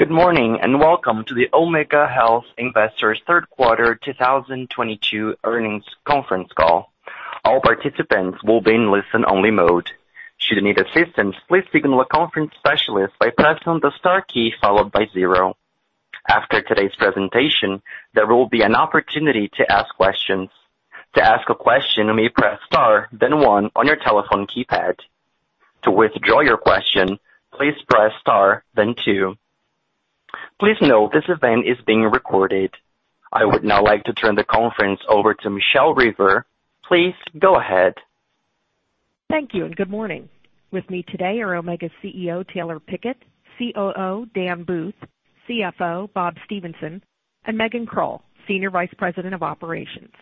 Good morning, and welcome to the Omega Healthcare Investors third quarter 2022 earnings conference call. All participants will be in listen-only mode. Should you need assistance, please signal a conference specialist by pressing the star key followed by zero. After today's presentation, there will be an opportunity to ask questions. To ask a question, you may press star, then one on your telephone keypad. To withdraw your question, please press star, then two. Please note this event is being recorded. I would now like to turn the conference over to Michele Reber. Please go ahead. Thank you and good morning. With me today are Omega CEO, Taylor Pickett, COO, Dan Booth, CFO, Bob Stephenson, and Megan Krull, Senior Vice President of Operations.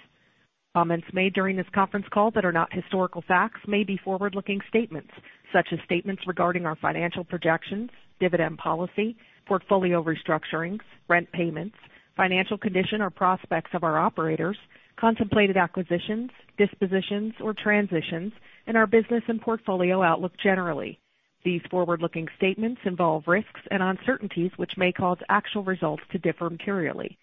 Comments made during this conference call that are not historical facts may be forward-looking statements such as statements regarding our financial projections, dividend policy, portfolio restructurings, rent payments, financial condition or prospects of our operators, contemplated acquisitions, dispositions or transitions, and our business and portfolio outlook generally. These forward-looking statements involve risks and uncertainties which may cause actual results to differ materially.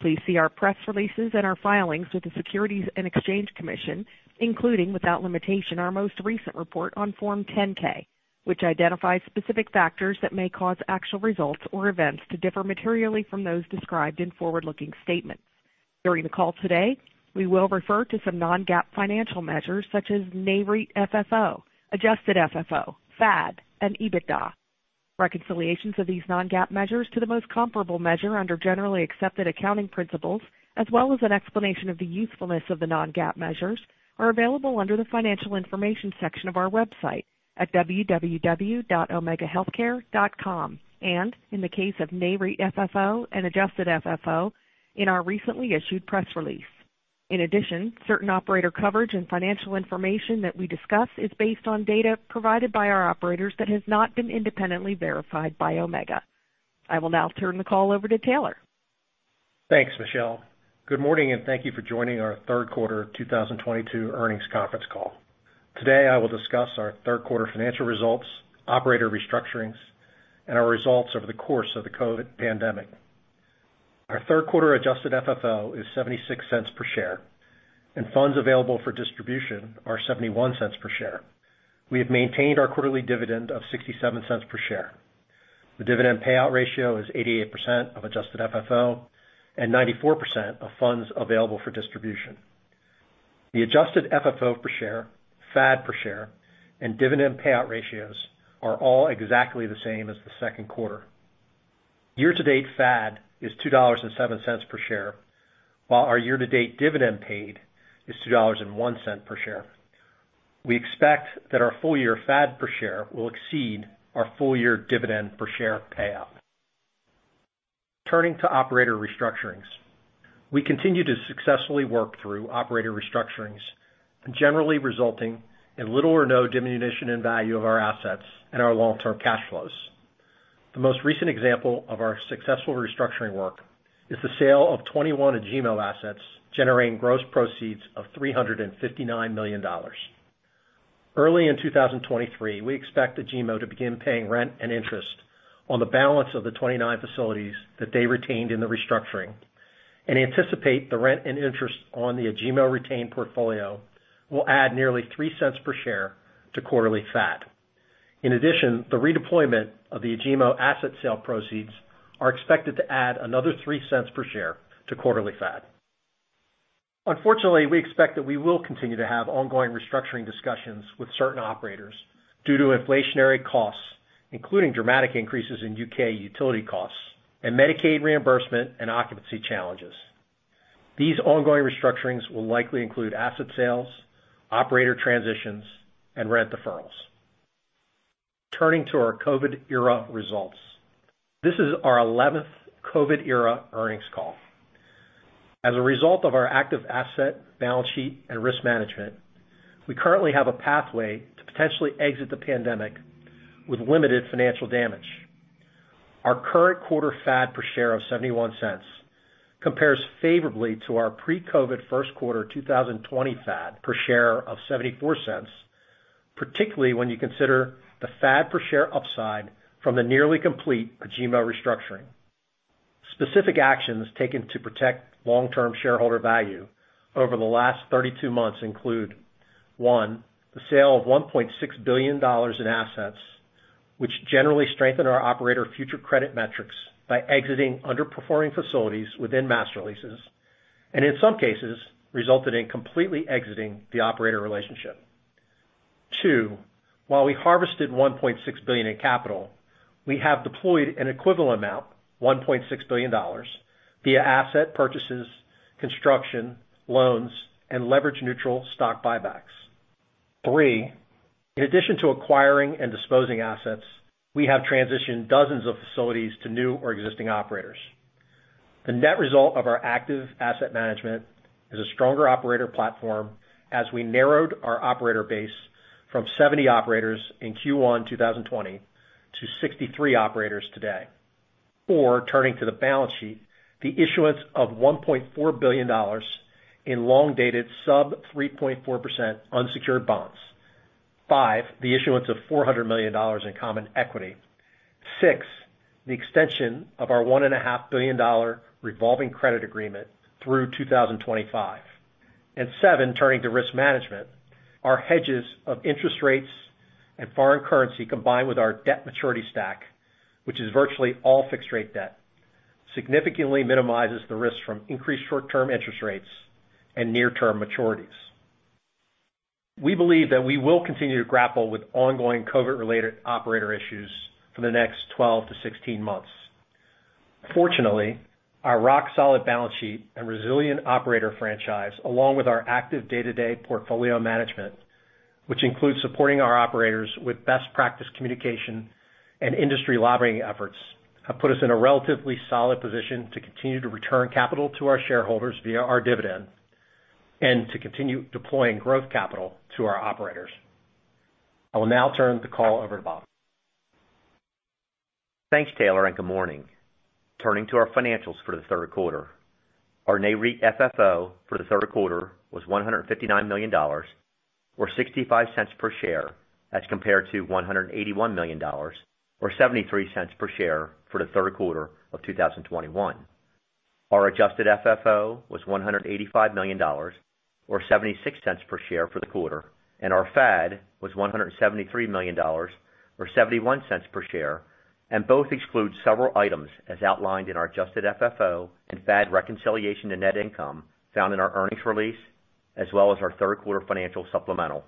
Please see our press releases and our filings with the Securities and Exchange Commission, including without limitation our most recent report on Form 10-K, which identifies specific factors that may cause actual results or events to differ materially from those described in forward-looking statements. During the call today, we will refer to some non-GAAP financial measures such as Nareit FFO, Adjusted FFO, FAD and EBITDA. Reconciliations of these non-GAAP measures to the most comparable measure under generally accepted accounting principles, as well as an explanation of the usefulness of the non-GAAP measures, are available under the Financial Information section of our website at www.omegahealthcare.com, and in the case of Nareit FFO and Adjusted FFO in our recently issued press release. In addition, certain operator coverage and financial information that we discuss is based on data provided by our operators that has not been independently verified by Omega. I will now turn the call over to Taylor. Thanks, Michele. Good morning, and thank you for joining our third quarter 2022 earnings conference call. Today, I will discuss our third quarter financial results, operator restructurings, and our results over the course of the COVID pandemic. Our third quarter Adjusted FFO is $0.76 per share, and funds available for distribution are $0.71 per share. We have maintained our quarterly dividend of $0.67 per share. The dividend payout ratio is 88% of Adjusted FFO and 94% of funds available for distribution. The Adjusted FFO per share, FAD per share, and dividend payout ratios are all exactly the same as the second quarter. Year-to-date FAD is $2.07 per share, while our year-to-date dividend paid is $2.01 per share. We expect that our full year FAD per share will exceed our full year dividend per share payout. Turning to operator restructurings. We continue to successfully work through operator restructurings and generally resulting in little or no diminution in value of our assets and our long-term cash flows. The most recent example of our successful restructuring work is the sale of 21 Agemo assets, generating gross proceeds of $359 million. Early in 2023, we expect Agemo to begin paying rent and interest on the balance of the 29 facilities that they retained in the restructuring and anticipate the rent and interest on the Agemo retained portfolio will add nearly $0.03 per share to quarterly FAD. In addition, the redeployment of the Agemo asset sale proceeds are expected to add another $0.03 per share to quarterly FAD. Unfortunately, we expect that we will continue to have ongoing restructuring discussions with certain operators due to inflationary costs, including dramatic increases in U.K. utility costs and Medicaid reimbursement and occupancy challenges. These ongoing restructurings will likely include asset sales, operator transitions, and rent deferrals. Turning to our COVID era results. This is our eleventh COVID era earnings call. As a result of our active asset, balance sheet, and risk management, we currently have a pathway to potentially exit the pandemic with limited financial damage. Our current quarter FAD per share of $0.71 compares favorably to our pre-COVID first quarter 2020 FAD per share of $0.74, particularly when you consider the FAD per share upside from the nearly complete Agemo restructuring. Specific actions taken to protect long-term shareholder value over the last 32 months include, one, the sale of $1.6 billion in assets, which generally strengthen our operator future credit metrics by exiting underperforming facilities within master leases, and in some cases, resulted in completely exiting the operator relationship. Two, while we harvested $1.6 billion in capital, we have deployed an equivalent amount, $1.6 billion, via asset purchases, construction, loans, and leverage neutral stock buybacks. Three, in addition to acquiring and disposing assets, we have transitioned dozens of facilities to new or existing operators. The net result of our active asset management is a stronger operator platform as we narrowed our operator base from 70 operators in Q1 2020 to 63 operators today. Four, turning to the balance sheet, the issuance of $1.4 billion in long-dated sub 3.4% unsecured bonds. Five, the issuance of $400 million in common equity. Six, the extension of our $1.5 billion revolving credit agreement through 2025. Seven, turning to risk management, our hedges of interest rates and foreign currency, combined with our debt maturity stack, which is virtually all fixed-rate debt, significantly minimizes the risk from increased short-term interest rates and near-term maturities. We believe that we will continue to grapple with ongoing COVID-related operator issues for the next 12-16 months. Fortunately, our rock-solid balance sheet and resilient operator franchise, along with our active day-to-day portfolio management, which includes supporting our operators with best practice communication and industry lobbying efforts, have put us in a relatively solid position to continue to return capital to our shareholders via our dividend and to continue deploying growth capital to our operators. I will now turn the call over to Bob. Thanks, Taylor, and good morning. Turning to our financials for the third quarter. Our Nareit FFO for the third quarter was $159 million, or $0.65 per share, as compared to $181 million, or $0.73 per share for the third quarter of 2021. Our Adjusted FFO was $185 million, or $0.76 per share for the quarter, and our FAD was $173 million or $0.71 per share, and both exclude several items as outlined in our Adjusted FFO and FAD reconciliation to net income found in our earnings release, as well as our third quarter financial supplemental.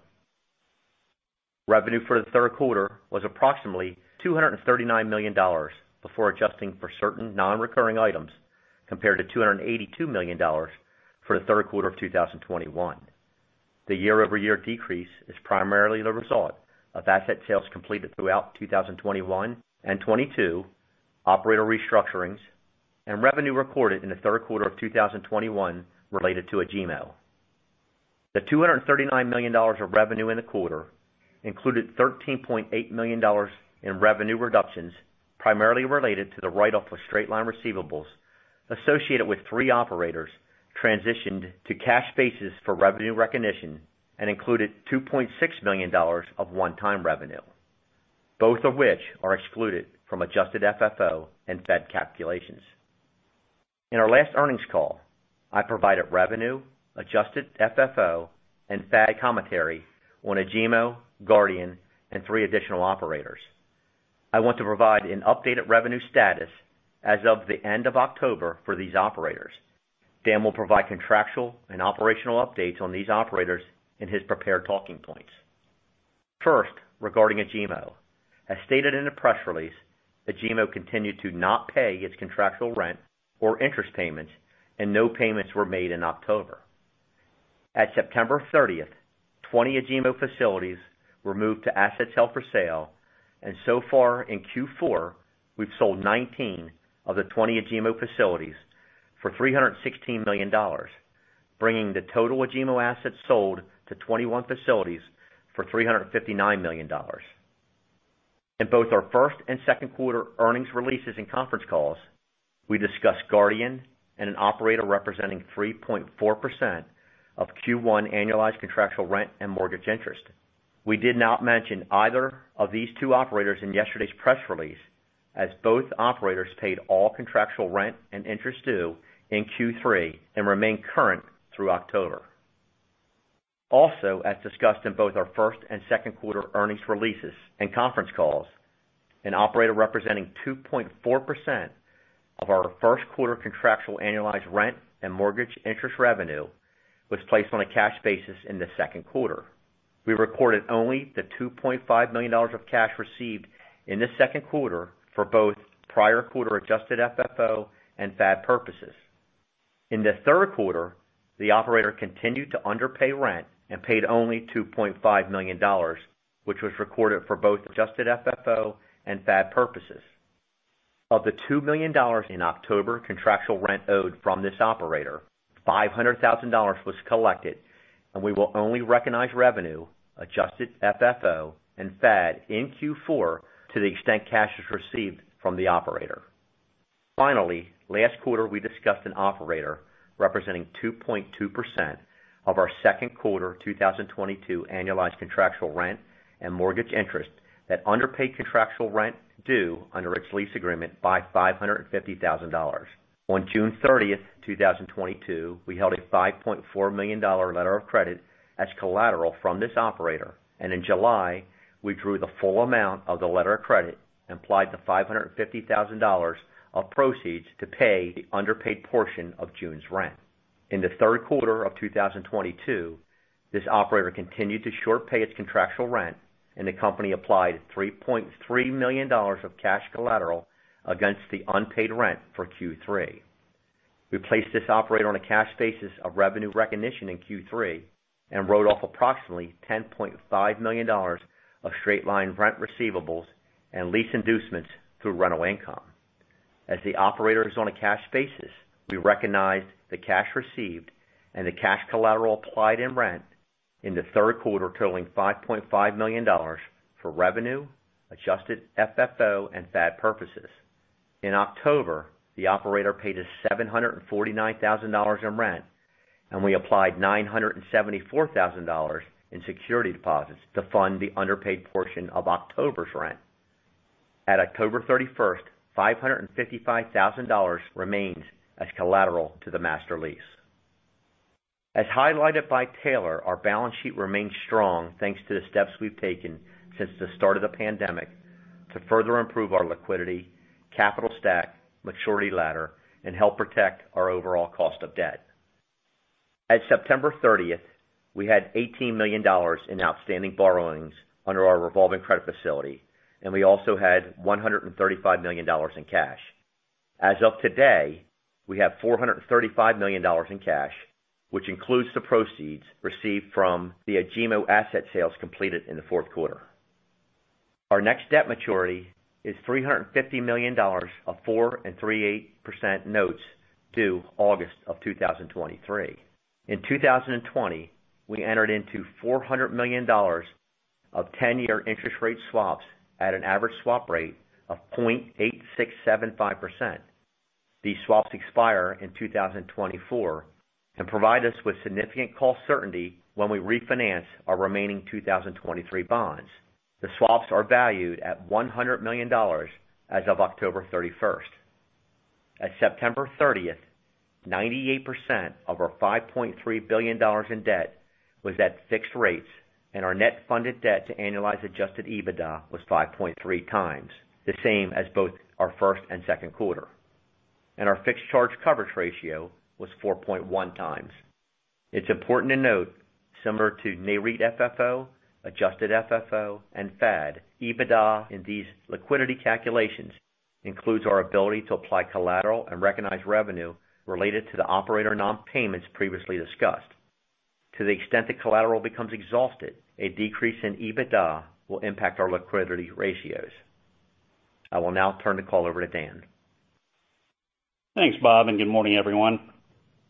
Revenue for the third quarter was approximately $239 million before adjusting for certain non-recurring items compared to $282 million for the third quarter of 2021. The year-over-year decrease is primarily the result of asset sales completed throughout 2021 and 2022, operator restructurings, and revenue recorded in the third quarter of 2021 related to Agemo. The $239 million of revenue in the quarter included $13.8 million in revenue reductions, primarily related to the write-off of straight-line receivables associated with three operators transitioned to cash basis for revenue recognition and included $2.6 million of one-time revenue, both of which are excluded from Adjusted FFO and FAD calculations. In our last earnings call, I provided revenue, adjusted FFO, and FAD commentary on Agemo, Guardian, and three additional operators. I want to provide an updated revenue status as of the end of October for these operators. Dan will provide contractual and operational updates on these operators in his prepared talking points. First, regarding Agemo. As stated in the press release, Agemo continued to not pay its contractual rent or interest payments, and no payments were made in October. At September 30, 20 Agemo facilities were moved to assets held for sale, and so far in Q4, we've sold 19 of the 20 Agemo facilities for $316 million, bringing the total Agemo assets sold to 21 facilities for $359 million. In both our first and second quarter earnings releases and conference calls, we discussed Guardian Healthcare and an operator representing 3.4% of Q1 annualized contractual rent and mortgage interest. We did not mention either of these two operators in yesterday's press release as both operators paid all contractual rent and interest due in Q3 and remain current through October. Also, as discussed in both our first and second quarter earnings releases and conference calls, an operator representing 2.4% of our first quarter contractual annualized rent and mortgage interest revenue was placed on a cash basis in the second quarter. We recorded only the $2.5 million of cash received in the second quarter for both prior quarter Adjusted FFO and FAD purposes. In the third quarter, the operator continued to underpay rent and paid only $2.5 million, which was recorded for both Adjusted FFO and FAD purposes. Of the $2 million in October contractual rent owed from this operator, $500,000 was collected, and we will only recognize revenue, Adjusted FFO, and FAD in Q4 to the extent cash is received from the operator. Finally, last quarter, we discussed an operator representing 2.2% of our second quarter 2022 annualized contractual rent and mortgage interest that underpaid contractual rent due under its lease agreement by $550,000. On June 13th, 2022, we held a $5.4 million letter of credit as collateral from this operator. In July, we drew the full amount of the letter of credit and applied the $550,000 of proceeds to pay the underpaid portion of June's rent. In the third quarter of 2022, this operator continued to short pay its contractual rent, and the company applied $3.3 million of cash collateral against the unpaid rent for Q3. We placed this operator on a cash basis of revenue recognition in Q3 and wrote off approximately $10.5 million of straight-line rent receivables and lease inducements through rental income. As the operator is on a cash basis, we recognized the cash received and the cash collateral applied in rent in the third quarter totaling $5.5 million for revenue, Adjusted FFO and FAD purposes. In October, the operator paid us $749,000 in rent, and we applied $974,000 in security deposits to fund the underpaid portion of October's rent. At October thirty-first, $555,000 remains as collateral to the master lease. As highlighted by Taylor, our balance sheet remains strong thanks to the steps we've taken since the start of the pandemic to further improve our liquidity, capital stack, maturity ladder, and help protect our overall cost of debt. At September13th, we had $18 million in outstanding borrowings under our revolving credit facility, and we also had $135 million in cash. As of today, we have $435 million in cash, which includes the proceeds received from the Agemo asset sales completed in the fourth quarter. Our next debt maturity is $350 million of 4.38% notes due August 2023. In 2020, we entered into $400 million of 10-year interest rate swaps at an average swap rate of 0.8675%. These swaps expire in 2024 and provide us with significant cost certainty when we refinance our remaining 2023 bonds. The swaps are valued at $100 million as of October 31. At September 30, 98% of our $5.3 billion in debt was at fixed rates, and our net funded debt to annualize adjusted EBITDA was 5.3x, the same as both our first and second quarter. Our fixed charge coverage ratio was 4.1x. It's important to note, similar to Nareit FFO, Adjusted FFO, and FAD, EBITDA in these liquidity calculations includes our ability to apply collateral and recognize revenue related to the operator non-payments previously discussed. To the extent the collateral becomes exhausted, a decrease in EBITDA will impact our liquidity ratios. I will now turn the call over to Dan. Thanks, Bob, and good morning, everyone.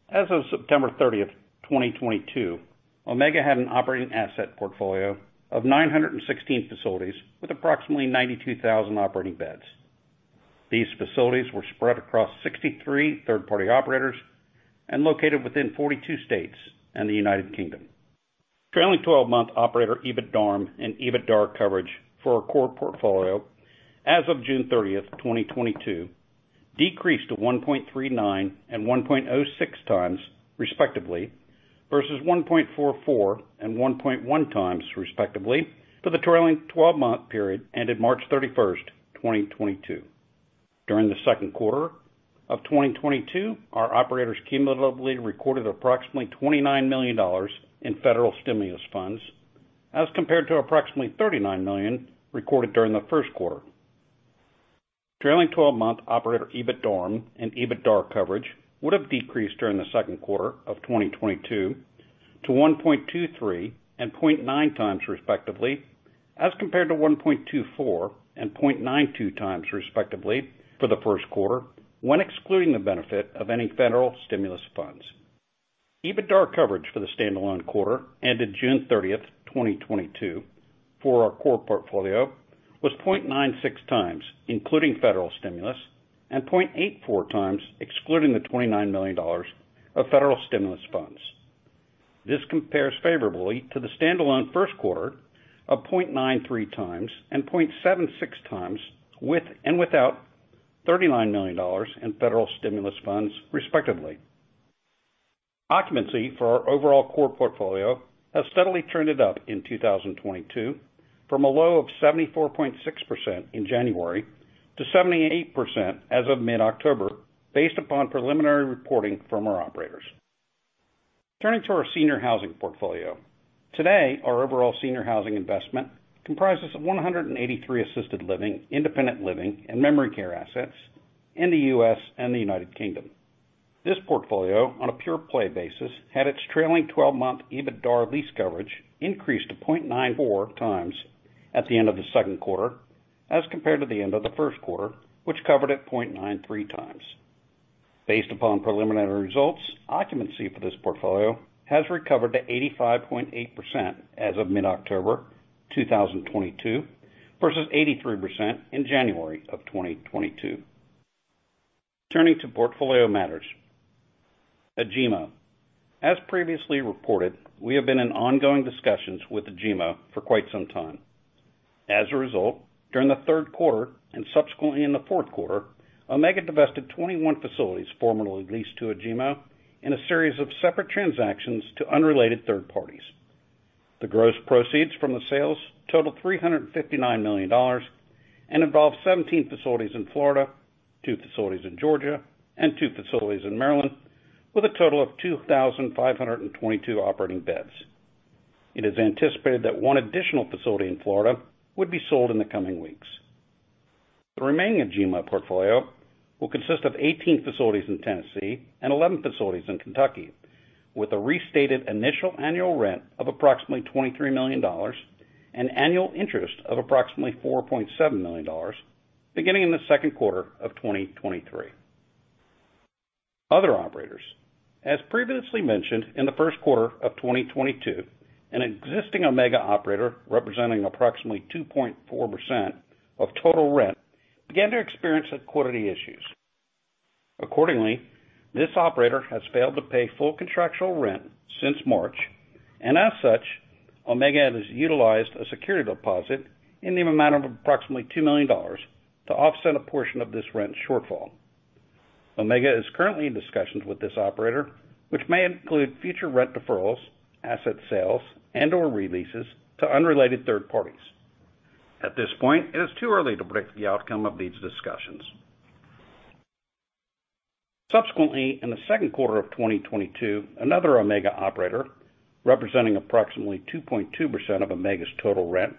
As of September 30, 2022, Omega had an operating asset portfolio of 916 facilities with approximately 92,000 operating beds. These facilities were spread across 63 third-party operators and located within 42 states and the United Kingdom. Trailing 12-month operator EBITDARM and EBITDAR coverage for our core portfolio as of June 30, 2022, decreased to 1.39 and 1.06x, respectively, versus 1.44 and 1.1x, respectively, for the trailing t12-month period ended March 31, 2022. During the second quarter of 2022, our operators cumulatively recorded approximately $29 million in federal stimulus funds as compared to approximately $39 million recorded during the first quarter. Trailing 12-month operator EBITDARM and EBITDAR coverage would have decreased during the second quarter of 2022 to 1.23 and 0.9x respectively, as compared to 1.24 and 0.92x respectively, for the first quarter, when excluding the benefit of any federal stimulus funds. EBITDAR coverage for the stand-alone quarter ended June 30, 2022 for our core portfolio was 0.96x, including federal stimulus, and 0.84x, excluding the $29 million of federal stimulus funds. This compares favorably to the stand-alone first quarter of 0.93x and 0.76x with and without $39 million in federal stimulus funds, respectively. Occupancy for our overall core portfolio has steadily trended up in 2022 from a low of 74.6% in January to 78% as of mid-October, based upon preliminary reporting from our operators. Turning to our senior housing portfolio. Today, our overall senior housing investment comprises of 183 assisted living, independent living, and memory care assets in the U.S. and the United Kingdom. This portfolio, on a pure play basis, had its trailing 12-month EBITDAR lease coverage increased to 0.94x at the end of the second quarter as compared to the end of the first quarter, which covered at 0.93x. Based upon preliminary results, occupancy for this portfolio has recovered to 85.8% as of mid-October 2022 versus 83% in January of 2022. Turning to portfolio matters. Agemo. As previously reported, we have been in ongoing discussions with Agemo for quite some time. As a result, during the third quarter and subsequently in the fourth quarter, Omega divested 21 facilities formerly leased to Agemo in a series of separate transactions to unrelated third parties. The gross proceeds from the sales total $359 million and involve 17 facilities in Florida, two facilities in Georgia, and two facilities in Maryland, with a total of 2,522 operating beds. It is anticipated that one additional facility in Florida would be sold in the coming weeks. The remaining Agemo portfolio will consist of 18 facilities in Tennessee and 11 facilities in Kentucky, with a restated initial annual rent of approximately $23 million and annual interest of approximately $4.7 million beginning in the second quarter of 2023. Other operators. As previously mentioned, in the first quarter of 2022, an existing Omega operator representing approximately 2.4% of total rent began to experience liquidity issues. Accordingly, this operator has failed to pay full contractual rent since March, and as such, Omega has utilized a security deposit in the amount of approximately $2 million to offset a portion of this rent shortfall. Omega is currently in discussions with this operator, which may include future rent deferrals, asset sales, and/or releases to unrelated third parties. At this point, it is too early to predict the outcome of these discussions. Subsequently, in the second quarter of 2022, another Omega operator representing approximately 2.2% of Omega's total rent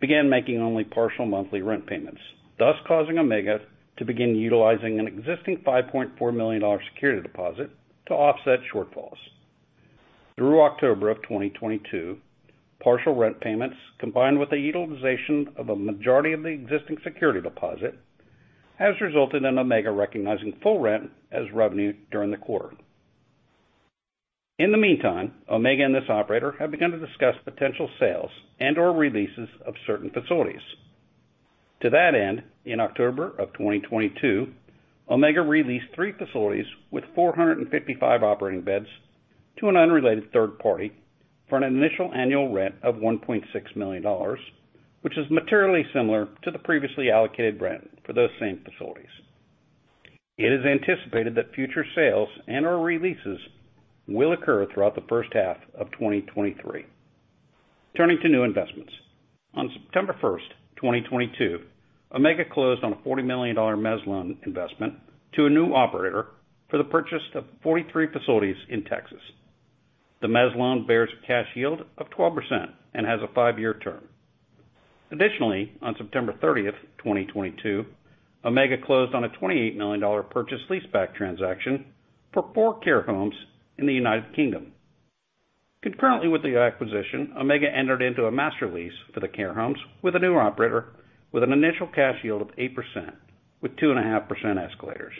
began making only partial monthly rent payments, thus causing Omega to begin utilizing an existing $5.4 million security deposit to offset shortfalls. Through October of 2022, partial rent payments, combined with the utilization of a majority of the existing security deposit, has resulted in Omega recognizing full rent as revenue during the quarter. In the meantime, Omega and this operator have begun to discuss potential sales and/or releases of certain facilities. To that end, in October of 2022, Omega released three facilities with 455 operating beds to an unrelated third party for an initial annual rent of $1.6 million, which is materially similar to the previously allocated rent for those same facilities. It is anticipated that future sales and/or releases will occur throughout the first half of 2023. Turning to new investments. On September 1, 2022, Omega closed on a $40 million mezzanine loan investment to a new operator for the purchase of 43 facilities in Texas. The mezzanine loan bears a cash yield of 12% and has a five-year term. On September 30, 2022, Omega closed on a $28 million purchase leaseback transaction for four care homes in the United Kingdom. Concurrently with the acquisition, Omega entered into a master lease for the care homes with a new operator with an initial cash yield of 8% with 2.5% escalators.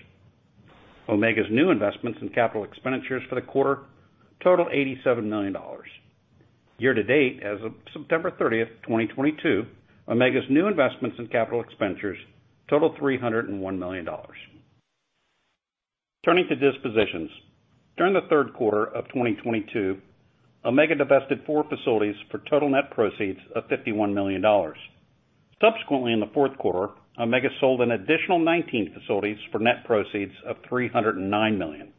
Omega's new investments in capital expenditures for the quarter total $87 million. Year to date, as of September 30, 2022, Omega's new investments in capital expenditures total $301 million. Turning to dispositions. During the third quarter of 2022, Omega divested four facilities for total net proceeds of $51 million. Subsequently, in the fourth quarter, Omega sold an additional 19 facilities for net proceeds of $309 million.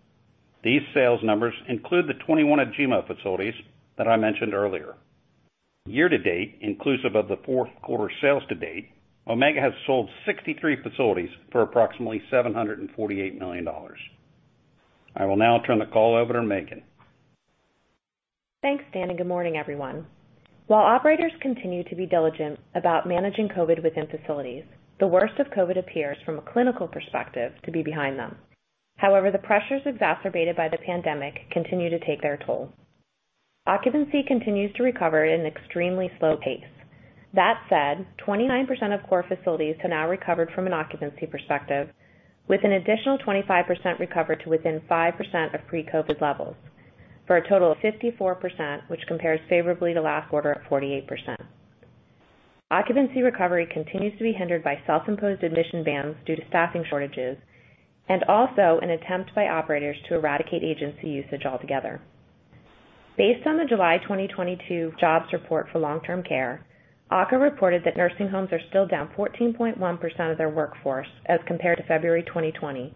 These sales numbers include the 21 Agemo facilities that I mentioned earlier. Year to date, inclusive of the fourth quarter sales to date, Omega has sold 63 facilities for approximately $748 million. I will now turn the call over to Megan. Thanks, Danny. Good morning, everyone. While operators continue to be diligent about managing COVID within facilities, the worst of COVID appears, from a clinical perspective, to be behind them. However, the pressures exacerbated by the pandemic continue to take their toll. Occupancy continues to recover at an extremely slow pace. That said, 29% of core facilities have now recovered from an occupancy perspective, with an additional 25% recovered to within 5% of pre-COVID levels, for a total of 54%, which compares favorably to last quarter at 48%. Occupancy recovery continues to be hindered by self-imposed admission bans due to staffing shortages, and also an attempt by operators to eradicate agency usage altogether. Based on the July 2022 jobs report for long-term care, AHCA reported that nursing homes are still down 14.1% of their workforce as compared to February 2020,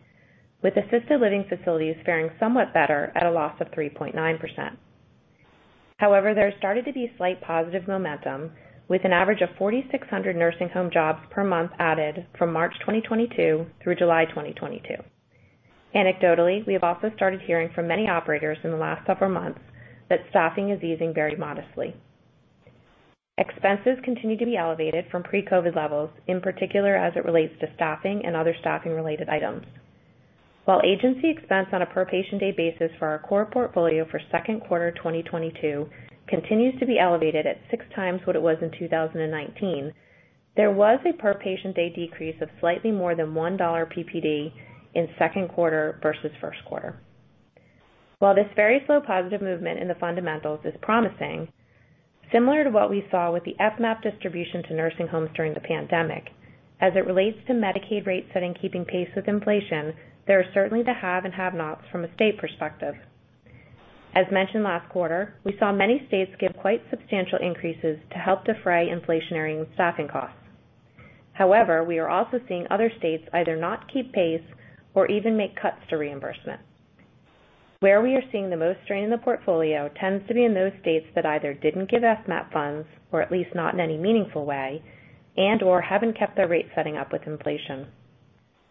with assisted living facilities faring somewhat better at a loss of 3.9%. However, there started to be slight positive momentum, with an average of 4,600 nursing home jobs per month added from March 2022 through July 2022. Anecdotally, we have also started hearing from many operators in the last several months that staffing is easing very modestly. Expenses continue to be elevated from pre-COVID levels, in particular as it relates to staffing and other staffing-related items. While agency expense on a per patient day basis for our core portfolio for second quarter 2022 continues to be elevated at 6x what it was in 2019, there was a per patient day decrease of slightly more than $1 PPD in second quarter versus first quarter. While this very slow positive movement in the fundamentals is promising, similar to what we saw with the FMAP distribution to nursing homes during the pandemic, as it relates to Medicaid rate setting keeping pace with inflation, there are certainly the have and have-nots from a state perspective. As mentioned last quarter, we saw many states give quite substantial increases to help defray inflationary and staffing costs. However, we are also seeing other states either not keep pace or even make cuts to reimbursement. Where we are seeing the most strain in the portfolio tends to be in those states that either didn't give FMAP funds, or at least not in any meaningful way, and/or haven't kept their rate setting up with inflation.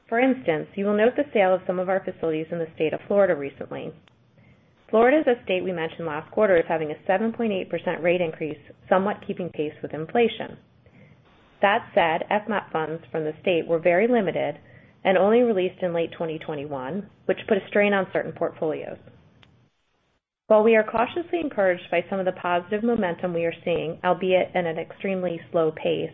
For instance, you will note the sale of some of our facilities in the state of Florida recently. Florida is a state we mentioned last quarter as having a 7.8% rate increase, somewhat keeping pace with inflation. That said, FMAP funds from the state were very limited and only released in late 2021, which put a strain on certain portfolios. While we are cautiously encouraged by some of the positive momentum we are seeing, albeit at an extremely slow pace,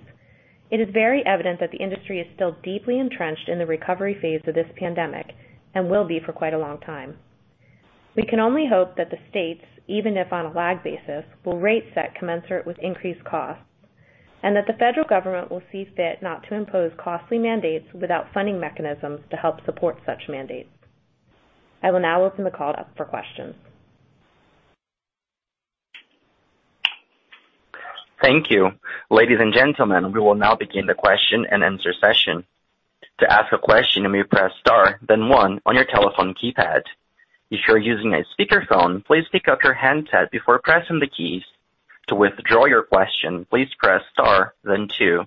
it is very evident that the industry is still deeply entrenched in the recovery phase of this pandemic and will be for quite a long time. We can only hope that the states, even if on a lag basis, will rate set commensurate with increased costs, and that the federal government will see fit not to impose costly mandates without funding mechanisms to help support such mandates. I will now open the call up for questions. Thank you. Ladies and gentlemen, we will now begin the question-and-answer session. To ask a question, you may press star then one on your telephone keypad. If you're using a speakerphone, please pick up your handset before pressing the keys. To withdraw your question, please press star then two.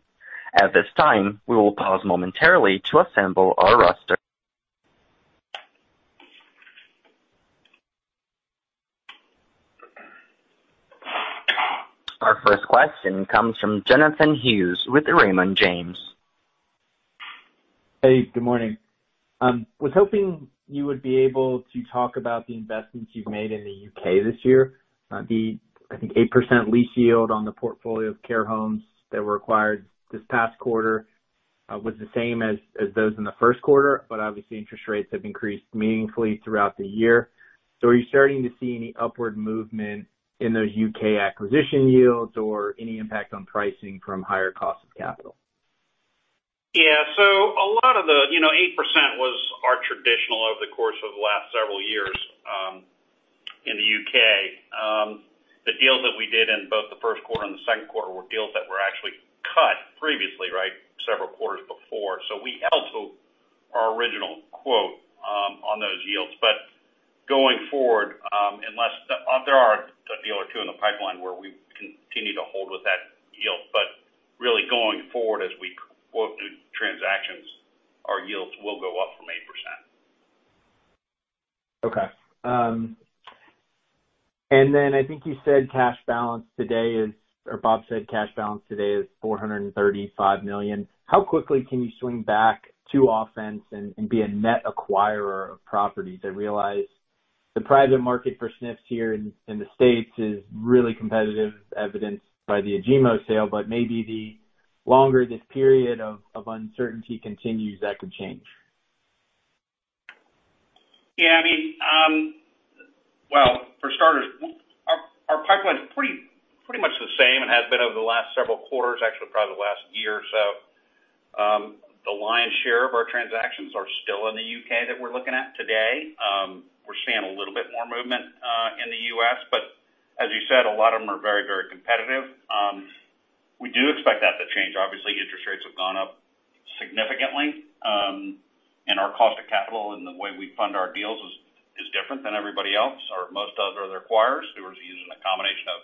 At this time, we will pause momentarily to assemble our roster. Our first question comes from Jonathan Hughes with Raymond James. Hey, good morning. I was hoping you would be able to talk about the investments you've made in the U.K. this year. I think 8% lease yield on the portfolio of care homes that were acquired this past quarter was the same as those in the first quarter, but obviously interest rates have increased meaningfully throughout the year. Are you starting to see any upward movement in those U.K. acquisition yields or any impact on pricing from higher cost of capital? Yeah. A lot of the, you know, 8% was our traditional over the course of the last several years, in the U.K. The deals that we did in both the first quarter and the second quarter were deals that were actually cut previously, right, several quarters before. We held to our original quote, on those yields. Going forward, there are a deal or two in the pipeline where we continue to hold with that yield. Really going forward as we go through transactions, our yields will go up from 8%. Okay. I think Bob said cash balance today is $435 million. How quickly can you swing back to offense and be a net acquirer of properties? I realize the private market for SNFs here in the States is really competitive, evidenced by the Agemo sale. Maybe the longer this period of uncertainty continues, that could change. Yeah, I mean, well, for starters, our pipeline is pretty much the same and has been over the last several quarters, actually probably the last year or so. The lion's share of our transactions are still in the U.K. that we're looking at today. We're seeing a little bit more movement in the U.S., but as you said, a lot of them are very competitive. We do expect that to change. Obviously, interest rates have gone up significantly, and our cost of capital and the way we fund our deals is different than everybody else or most other acquirers who are using a combination of,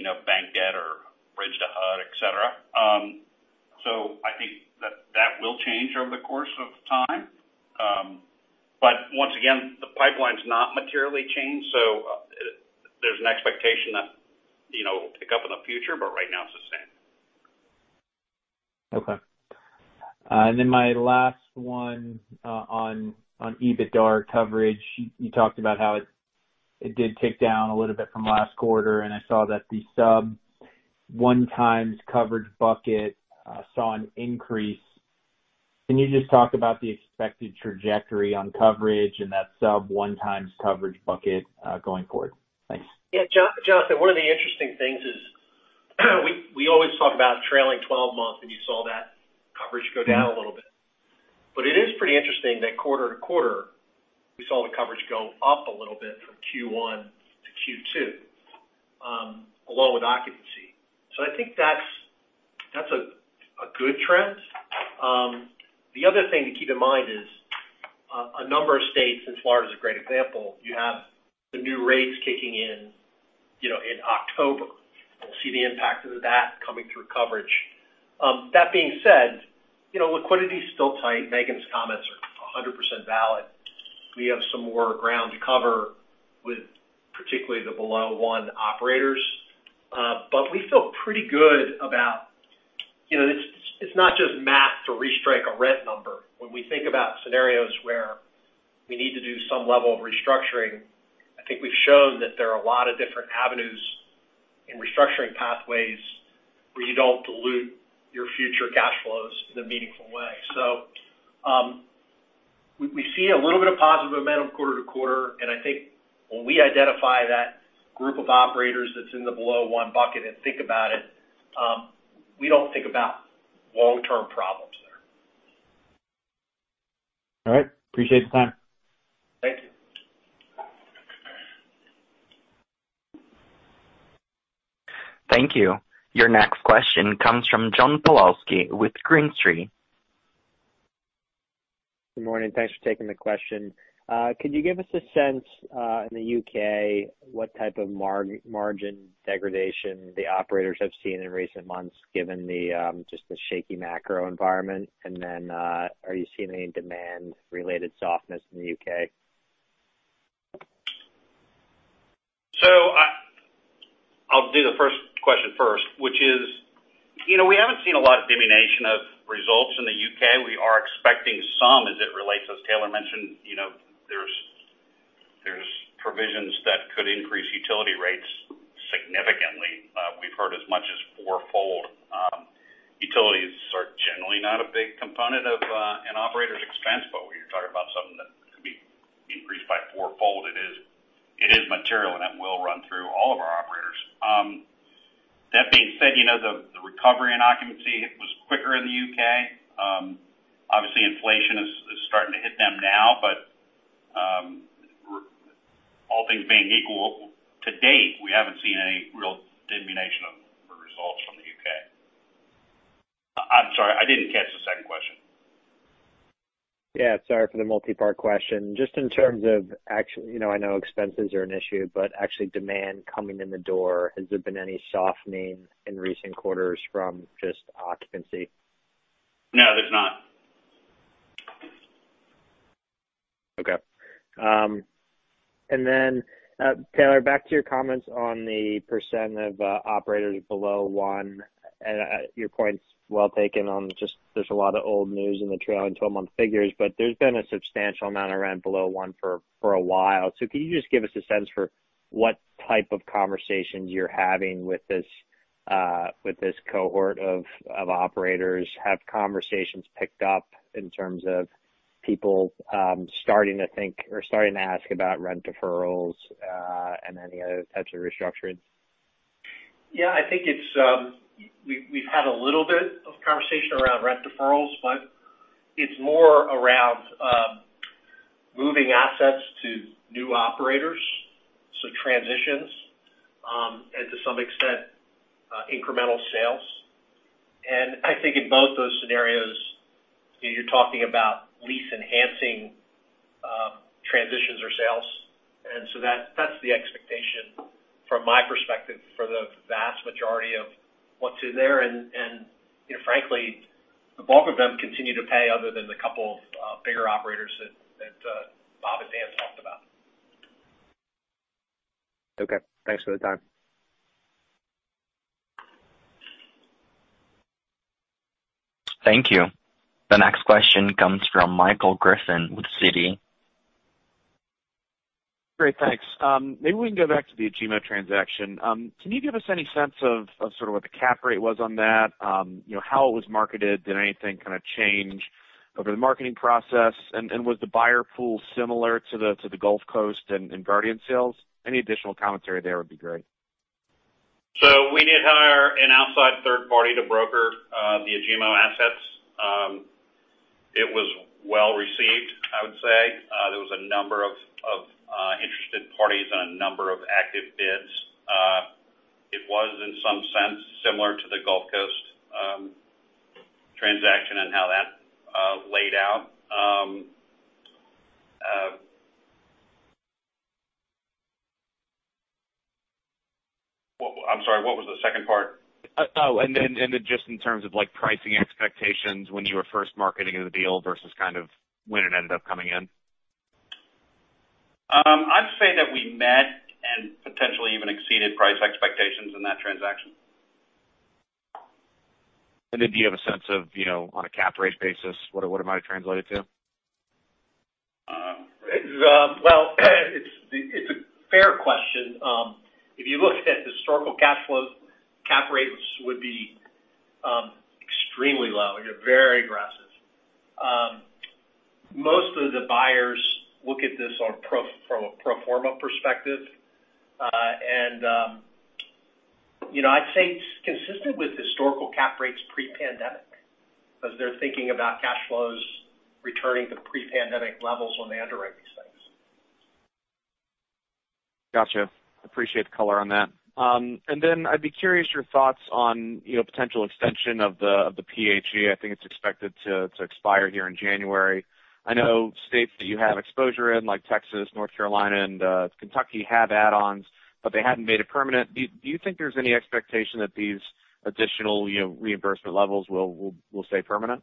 you know, bank debt or bridge to HUD, et cetera. I think that will change over the course of time. Once again, the pipeline's not materially changed, so there's an expectation that, you know, will pick up in the future, but right now it's the same. Okay. My last one on EBITDA coverage. You talked about how it did tick down a little bit from last quarter, and I saw that the sub 1x coverage bucket saw an increase. Can you just talk about the expected trajectory on coverage and that sub 1x coverage bucket going forward? Thanks. Yeah. Jonathan, one of the interesting things is we always talk about trailing twelve month, and you saw that coverage go down a little bit. It is pretty interesting that quarter to quarter we saw the coverage go up a little bit from Q1 to Q2, along with occupancy. I think that's a good trend. The other thing to keep in mind is a number of states, and Florida is a great example, you have the new rates kicking in, you know, in October. We'll see the impact of that coming through coverage. That being said, you know, liquidity is still tight. Megan's comments are 100% valid. We have some more ground to cover with particularly the below one operators. We feel pretty good about. You know, it's not just math to restrike a rent number. When we think about scenarios where we need to do some level of restructuring, I think we've shown that there are a lot of different avenues in restructuring pathways where you don't dilute your future cash flows in a meaningful way. We see a little bit of positive momentum quarter to quarter, and I think when we identify that group of operators that's in the below one bucket and think about it, we don't think about long-term problems there. All right. Appreciate the time. Thank you. Thank you. Your next question comes from John Pawlowski with Green Street. Good morning. Thanks for taking the question. Could you give us a sense, in the U.K., what type of margin degradation the operators have seen in recent months given the just the shaky macro environment? Are you seeing any demand related softness in the U.K.? I'll do the first question first, which is affecting some as it relates, as Taylor mentioned, you know, there's provisions that could increase utility rates significantly. We've heard as much as fourfold. Utilities are generally not a big component of an operator's expense, but when you're talking about something that could be increased by fourfold, it is material, and it will run through all of our operators. That being said, you know, the recovery in occupancy was quicker in the U.K. Obviously inflation is starting to hit them now, but all things being equal to date, we haven't seen any real diminution of the results from the U.K. I'm sorry, I didn't catch the second question. Yeah. Sorry for the multi-part question. Just in terms of actual, you know, I know expenses are an issue, but actually demand coming in the door, has there been any softening in recent quarters from just occupancy? No, there's not. Okay. And then, Taylor, back to your comments on the percent of operators below one. Your point's well taken on just there's a lot of old news in the trailing 12-month figures, but there's been a substantial amount of rent below one for a while. Can you just give us a sense for what type of conversations you're having with this cohort of operators? Have conversations picked up in terms of people starting to think or starting to ask about rent deferrals, and any other types of restructurings? Yeah, I think it's we've had a little bit of conversation around rent deferrals, but it's more around moving assets to new operators, so transitions, and to some extent incremental sales. I think in both those scenarios, you're talking about lease enhancing transitions or sales. That's the expectation from my perspective, for the vast majority of what's in there. You know, frankly, the bulk of them continue to pay other than the couple of bigger operators that Bob and Dan talked about. Okay. Thanks for the time. Thank you. The next question comes from Michael Griffin with Citi. Great, thanks. Maybe we can go back to the Agemo transaction. Can you give us any sense of of sort of what the cap rate was on that? You know, how it was marketed? Did anything kind of change over the marketing process? And was the buyer pool similar to the Gulf Coast and Guardian sales? Any additional commentary there would be great. We did hire an outside third party to broker the Agemo assets. It was well received, I would say. There was a number of interested parties and a number of active bids. It was in some sense similar to the Gulf Coast transaction and how that laid out. I'm sorry, what was the second part? Just in terms of like pricing expectations when you were first marketing the deal versus kind of when it ended up coming in? I'd say that we met and potentially even exceeded price expectations in that transaction. Do you have a sense of, you know, on a cap rate basis, what it might have translated to? Well, it's a fair question. If you looked at historical cash flows, cap rates would be extremely low, you know, very aggressive. Most of the buyers look at this from a pro forma perspective. You know, I'd say it's consistent with historical cap rates pre-pandemic, as they're thinking about cash flows returning to pre-pandemic levels when they underwrite these things. Gotcha. Appreciate the color on that. I'd be curious your thoughts on, you know, potential extension of the PHE. I think it's expected to expire here in January. I know states that you have exposure in, like Texas, North Carolina and Kentucky have add-ons, but they haven't made it permanent. Do you think there's any expectation that these additional, you know, reimbursement levels will stay permanent?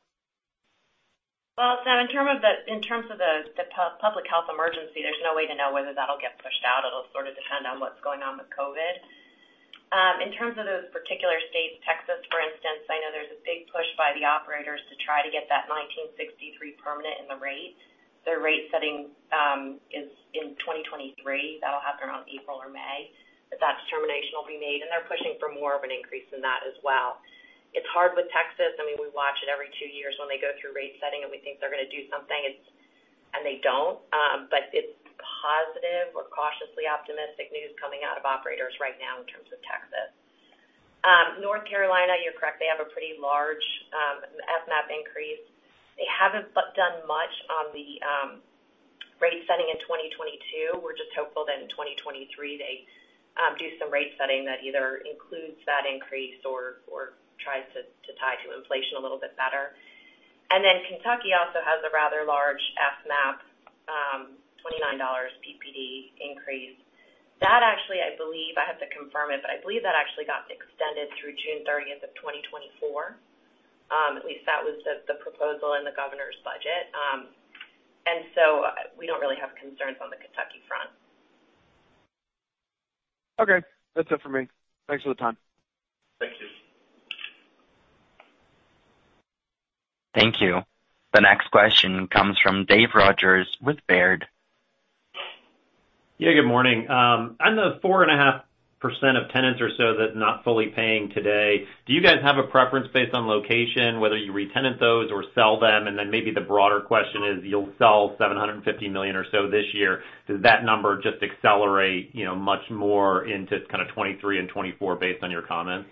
In terms of the public health emergency, there's no way to know whether that'll get pushed out. It'll sort of depend on what's going on with COVID. In terms of those particular states, Texas for instance, I know there's a big push by the operators to try to get that $19.63 permanent in the rate. Their rate setting is in 2023. That'll happen around April or May that determination will be made, and they're pushing for more of an increase in that as well. It's hard with Texas. I mean, we watch it every two years when they go through rate setting and we think they're gonna do something, and they don't. It's positive or cautiously optimistic news coming out of operators right now in terms of Texas. North Carolina, you're correct. They have a pretty large FMAP increase. They haven't done much on the rate setting in 2022. We're just hopeful that in 2023 they do some rate setting that either includes that increase or tries to tie to inflation a little bit better. Kentucky also has a rather large FMAP $29 PPD increase. That actually, I believe, I have to confirm it, but I believe that actually got extended through June 30th of 2024. At least that was the proposal in the governor's budget. We don't really have concerns on the Kentucky front. Okay, that's it for me. Thanks for the time. Thank you. Thank you. The next question comes from David Rodgers with Baird. Yeah, good morning. On the 4.5% of tenants or so that are not fully paying today, do you guys have a preference based on location, whether you retenant those or sell them? Maybe the broader question is, you'll sell $750 million or so this year. Does that number just accelerate, you know, much more into kind of 2023 and 2024 based on your comments?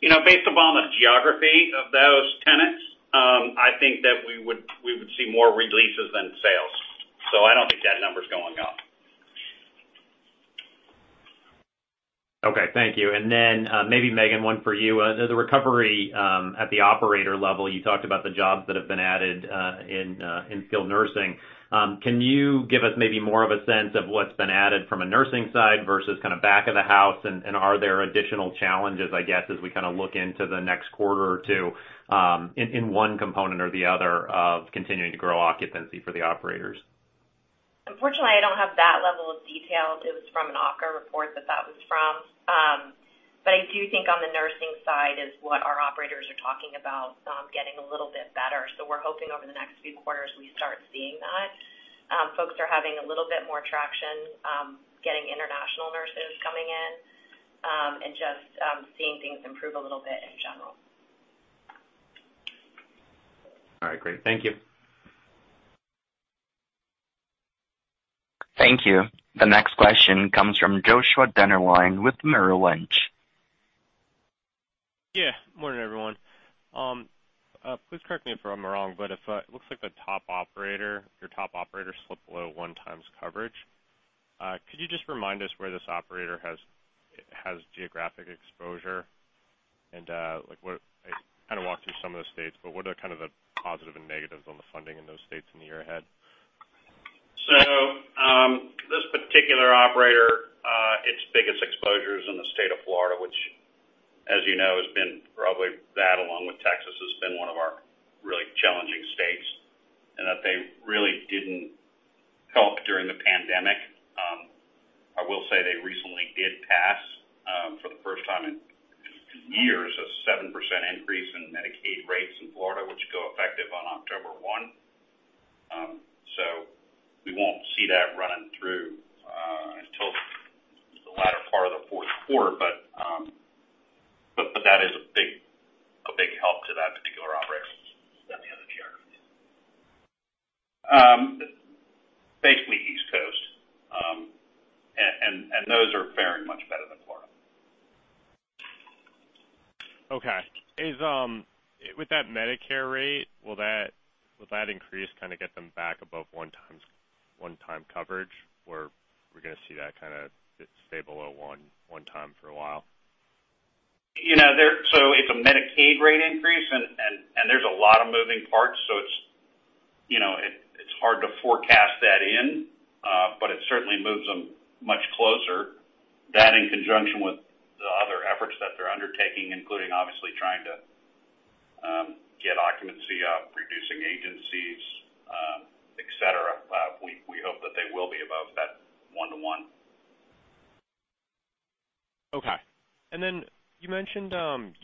You know, based upon the geography of those tenants, I think that we would see more releases than sales. I don't think that number is going up. Okay. Thank you. Maybe Megan, one for you. The recovery at the operator level, you talked about the jobs that have been added in skilled nursing. Can you give us maybe more of a sense of what's been added from a nursing side versus kind of back of the house? Are there additional challenges, I guess, as we kinda look into the next quarter or two, in one component or the other of continuing to grow occupancy for the operators? Unfortunately, I don't have that level of detail. It was from an AHCA report that was from. I do think on the nursing side is what our operators are talking about, getting a little bit better. We're hoping over the next few quarters we start seeing that. Folks are having a little bit more traction, getting international nurses coming in, and just seeing things improve a little bit in general. All right, great. Thank you. Thank you. The next question comes from Joshua Dennerlein with Merrill Lynch. Yeah. Morning, everyone. Please correct me if I'm wrong, but if it looks like the top operator, your top operator slipped below one times coverage. Could you just remind us where this operator has geographic exposure and, like, what kind of walk through some of the states, but what are kind of the positive and negatives on the funding in those states in the year ahead? This particular operator, its biggest exposure is in the state of Florida, which, as you know, has been probably that, along with Texas, has been one of our really challenging states, and that they really didn't help during the pandemic. I will say they recently did pass, for the first time in years, a 7% increase in Medicaid rates in Florida, which go effective on October 1. We won't see that running through until the latter part of the fourth quarter. That is a big help to that particular operator. Any other geography? Basically East Coast. Those are faring much better than Florida. Okay. With that Medicare rate, will that increase kinda get them back above one time coverage, or we're gonna see that kinda stay below one time for a while? You know, it's a Medicaid rate increase and there's a lot of moving parts, so you know, it's hard to forecast that in, but it certainly moves them much closer. That in conjunction with the other efforts that they're undertaking, including obviously trying to get occupancy up, reducing agencies, etc. We hope that they will be above that one to one. Okay. You mentioned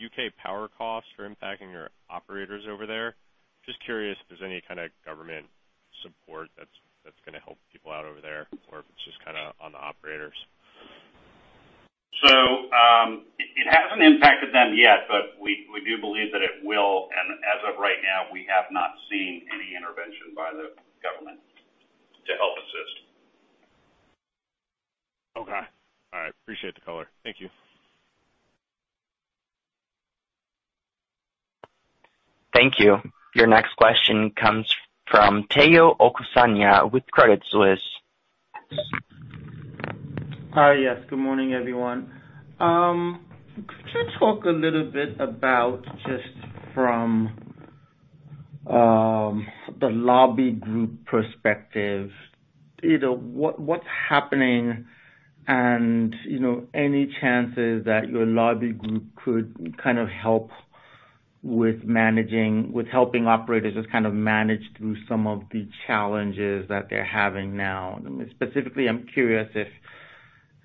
U.K. power costs are impacting your operators over there. Just curious if there's any kinda government support that's gonna help people out over there or if it's just kinda on the operators? It hasn't impacted them yet, but we do believe that it will. As of right now, we have not seen any intervention by the government to help assist. Okay. All right. Appreciate the color. Thank you. Thank you. Your next question comes from Tayo Okusanya with Credit Suisse. Hi. Yes, good morning, everyone. Could you talk a little bit about just from the lobby group perspective, you know, what's happening and, you know, any chances that your lobby group could kind of help with helping operators just kind of manage through some of the challenges that they're having now? Specifically, I'm curious if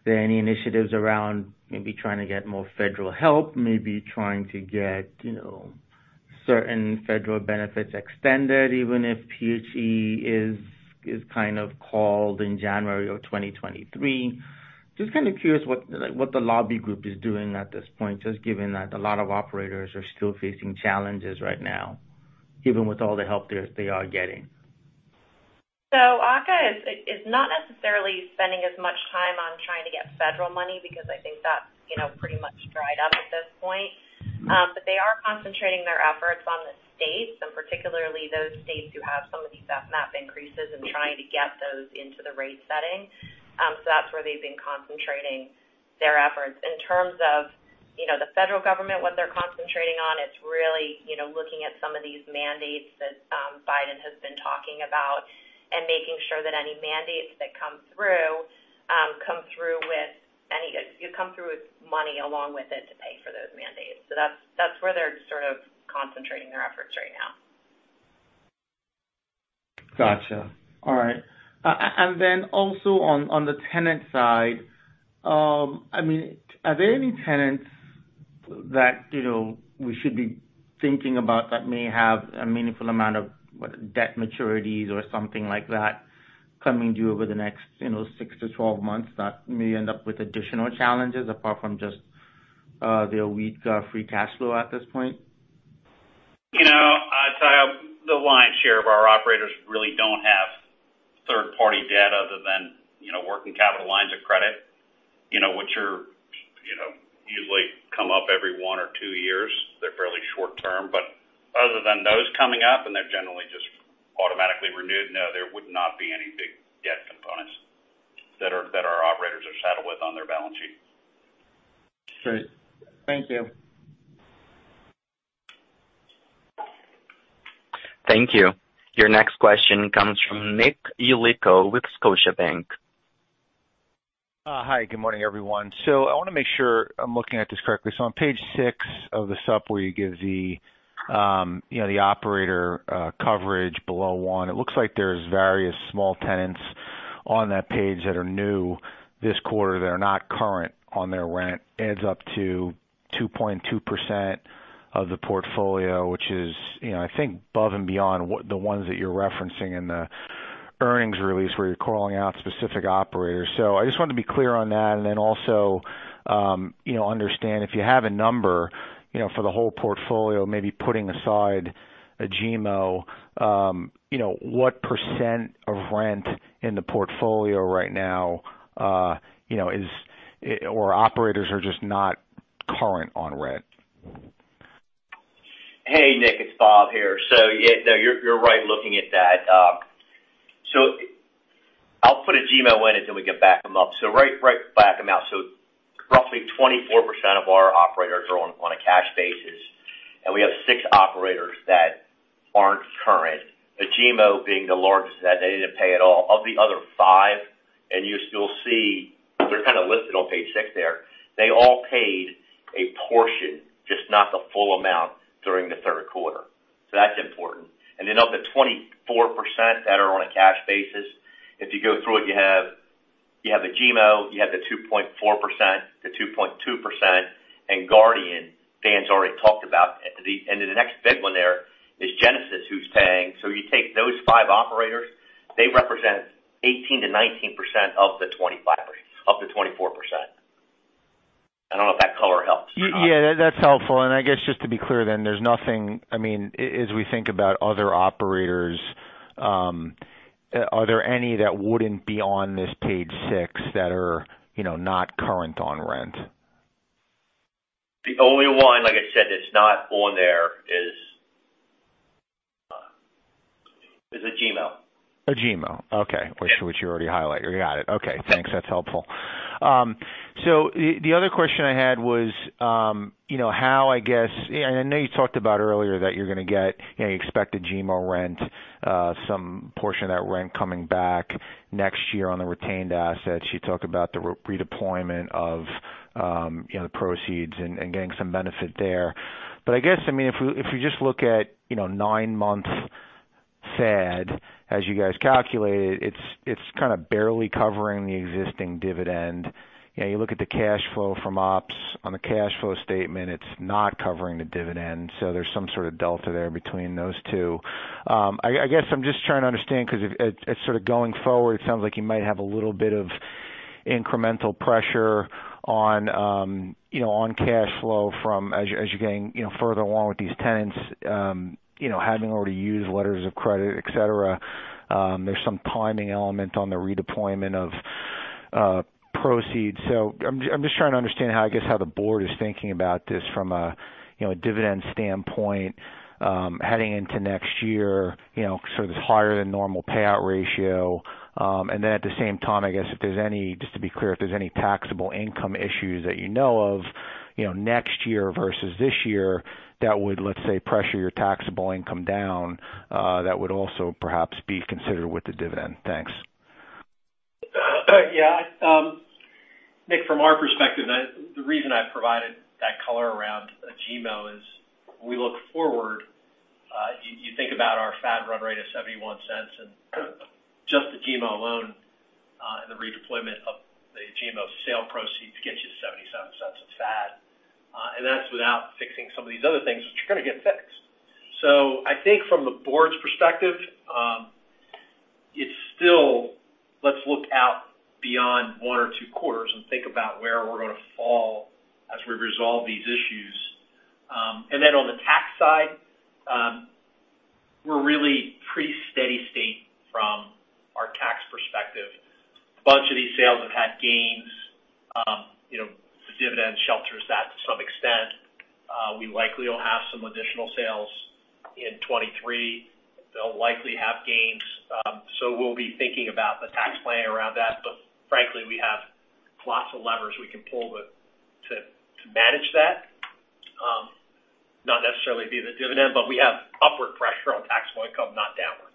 there are any initiatives around maybe trying to get more federal help, maybe trying to get, you know, certain federal benefits extended, even if PHE is kind of called in January of 2023. Just kind of curious what, like, what the lobby group is doing at this point, just given that a lot of operators are still facing challenges right now, even with all the help they are getting. AHCA is not necessarily spending as much time on trying to get federal money because I think that's, you know, pretty much dried up at this point. But they are concentrating their efforts on the states, and particularly those states who have some of these FMAP increases and trying to get those into the rate setting. That's where they've been concentrating their efforts. In terms of, you know, the federal government, what they're concentrating on, it's really, you know, looking at some of these mandates that Biden has been talking about and making sure that any mandates that come through come through with money along with it to pay for those mandates. That's where they're sort of concentrating their efforts right now. Gotcha. All right. Also on the tenant side, I mean, are there any tenants that, you know, we should be thinking about that may have a meaningful amount of, what, debt maturities or something like that coming due over the next, you know, six to 12 months that may end up with additional challenges apart from just their weak free cash flow at this point? You know, Taya, the lion's share of our operators really don't have third-party debt other than, you know, working capital lines of credit, you know, which are, you know, usually come up every one or two years. They're fairly short term, but other than those coming up, and they're generally just automatically renewed, no, there would not be any big debt components that our operators are saddled with on their balance sheet. Great. Thank you. Thank you. Your next question comes from Nick Yulico with Scotiabank. Hi, good morning, everyone. I wanna make sure I'm looking at this correctly. On page six of the sup where you give the, you know, the operator coverage below one, it looks like there's various small tenants on that page that are new this quarter that are not current on their rent. Adds up to 2.2% of the portfolio, which is, you know, I think above and beyond what the ones that you're referencing in the earnings release where you're calling out specific operators. I just wanted to be clear on that, and then also, you know, understand if you have a number, you know, for the whole portfolio, maybe putting aside Agemo, you know, what % of rent in the portfolio right now, you know, or operators are just not current on rent? Hey, Nick, it's Bob here. Yeah, no, you're right looking at that. I'll put Agemo in, and then we can back them up. Right back them out. Roughly 24% of our operators are on a cash basis, and we have six operators that aren't current. Agemo being the largest that they didn't pay at all. Of the other five, you still see they're kind of listed on page six there. They all paid a portion, just not the full amount during the third quarter, so that's important. Of the 24% that are on a cash basis, if you go through it, you have Agemo, you have the 2.4%, the 2.2%, and Guardian, Dan's already talked about. The next big one there is Genesis, who's paying. You take those five operators, they represent 18%-19% of the 24%. I don't know if that color helps. Yeah, that's helpful. I guess just to be clear then, there's nothing. I mean, as we think about other operators, are there any that wouldn't be on this page six that are, you know, not current on rent? The only one, like I said, that's not on there is Agemo. Agemo. Okay. Yeah. Which you already highlighted. Got it. Okay, thanks. That's helpful. The other question I had was, you know, how, I guess, and I know you talked about earlier that you're gonna get, you know, you expect Agemo rent, some portion of that rent coming back next year on the retained assets. You talked about the redeployment of, you know, the proceeds and getting some benefit there. I guess, I mean, if we just look at, you know, nine months FAD, as you guys calculated, it's kind of barely covering the existing dividend. You know, you look at the cash flow from ops on the cash flow statement, it's not covering the dividend, so there's some sort of delta there between those two. I guess I'm just trying to understand because if it's sort of going forward, it sounds like you might have a little bit of incremental pressure on, you know, on cash flow from as you're getting, you know, further along with these tenants, you know, having already used letters of credit, et cetera. There's some timing element on the redeployment of proceeds. I'm just trying to understand how, I guess, how the board is thinking about this from a, you know, a dividend standpoint, heading into next year, you know, sort of this higher than normal payout ratio. At the same time, I guess if there's any, just to be clear, if there's any taxable income issues that you know of, you know, next year versus this year that would, let's say, pressure your taxable income down, that would also perhaps be considered with the dividend. Thanks. Yeah. Nick, from our perspective, the reason I provided that color around Agemo is we look forward, you think about our FAD run rate of $0.71 and just Agemo alone, and the redeployment of the Agemo sale proceeds gets you to $0.77 of FAD. That's without fixing some of these other things, which are gonna get fixed. I think from the board's perspective, it's still let's look out beyond one or two quarters and think about where we're gonna fall as we resolve these issues. On the tax side, we're really pretty steady state from our tax perspective. A bunch of these sales have had gains. You know, the dividend shelters that to some extent. We likely will have some additional sales in 2023. They'll likely have gains. We'll be thinking about the tax plan around that. Frankly, we have lots of levers we can pull to manage that. Not necessarily the dividend, but we have upward pressure on taxable income, not downward.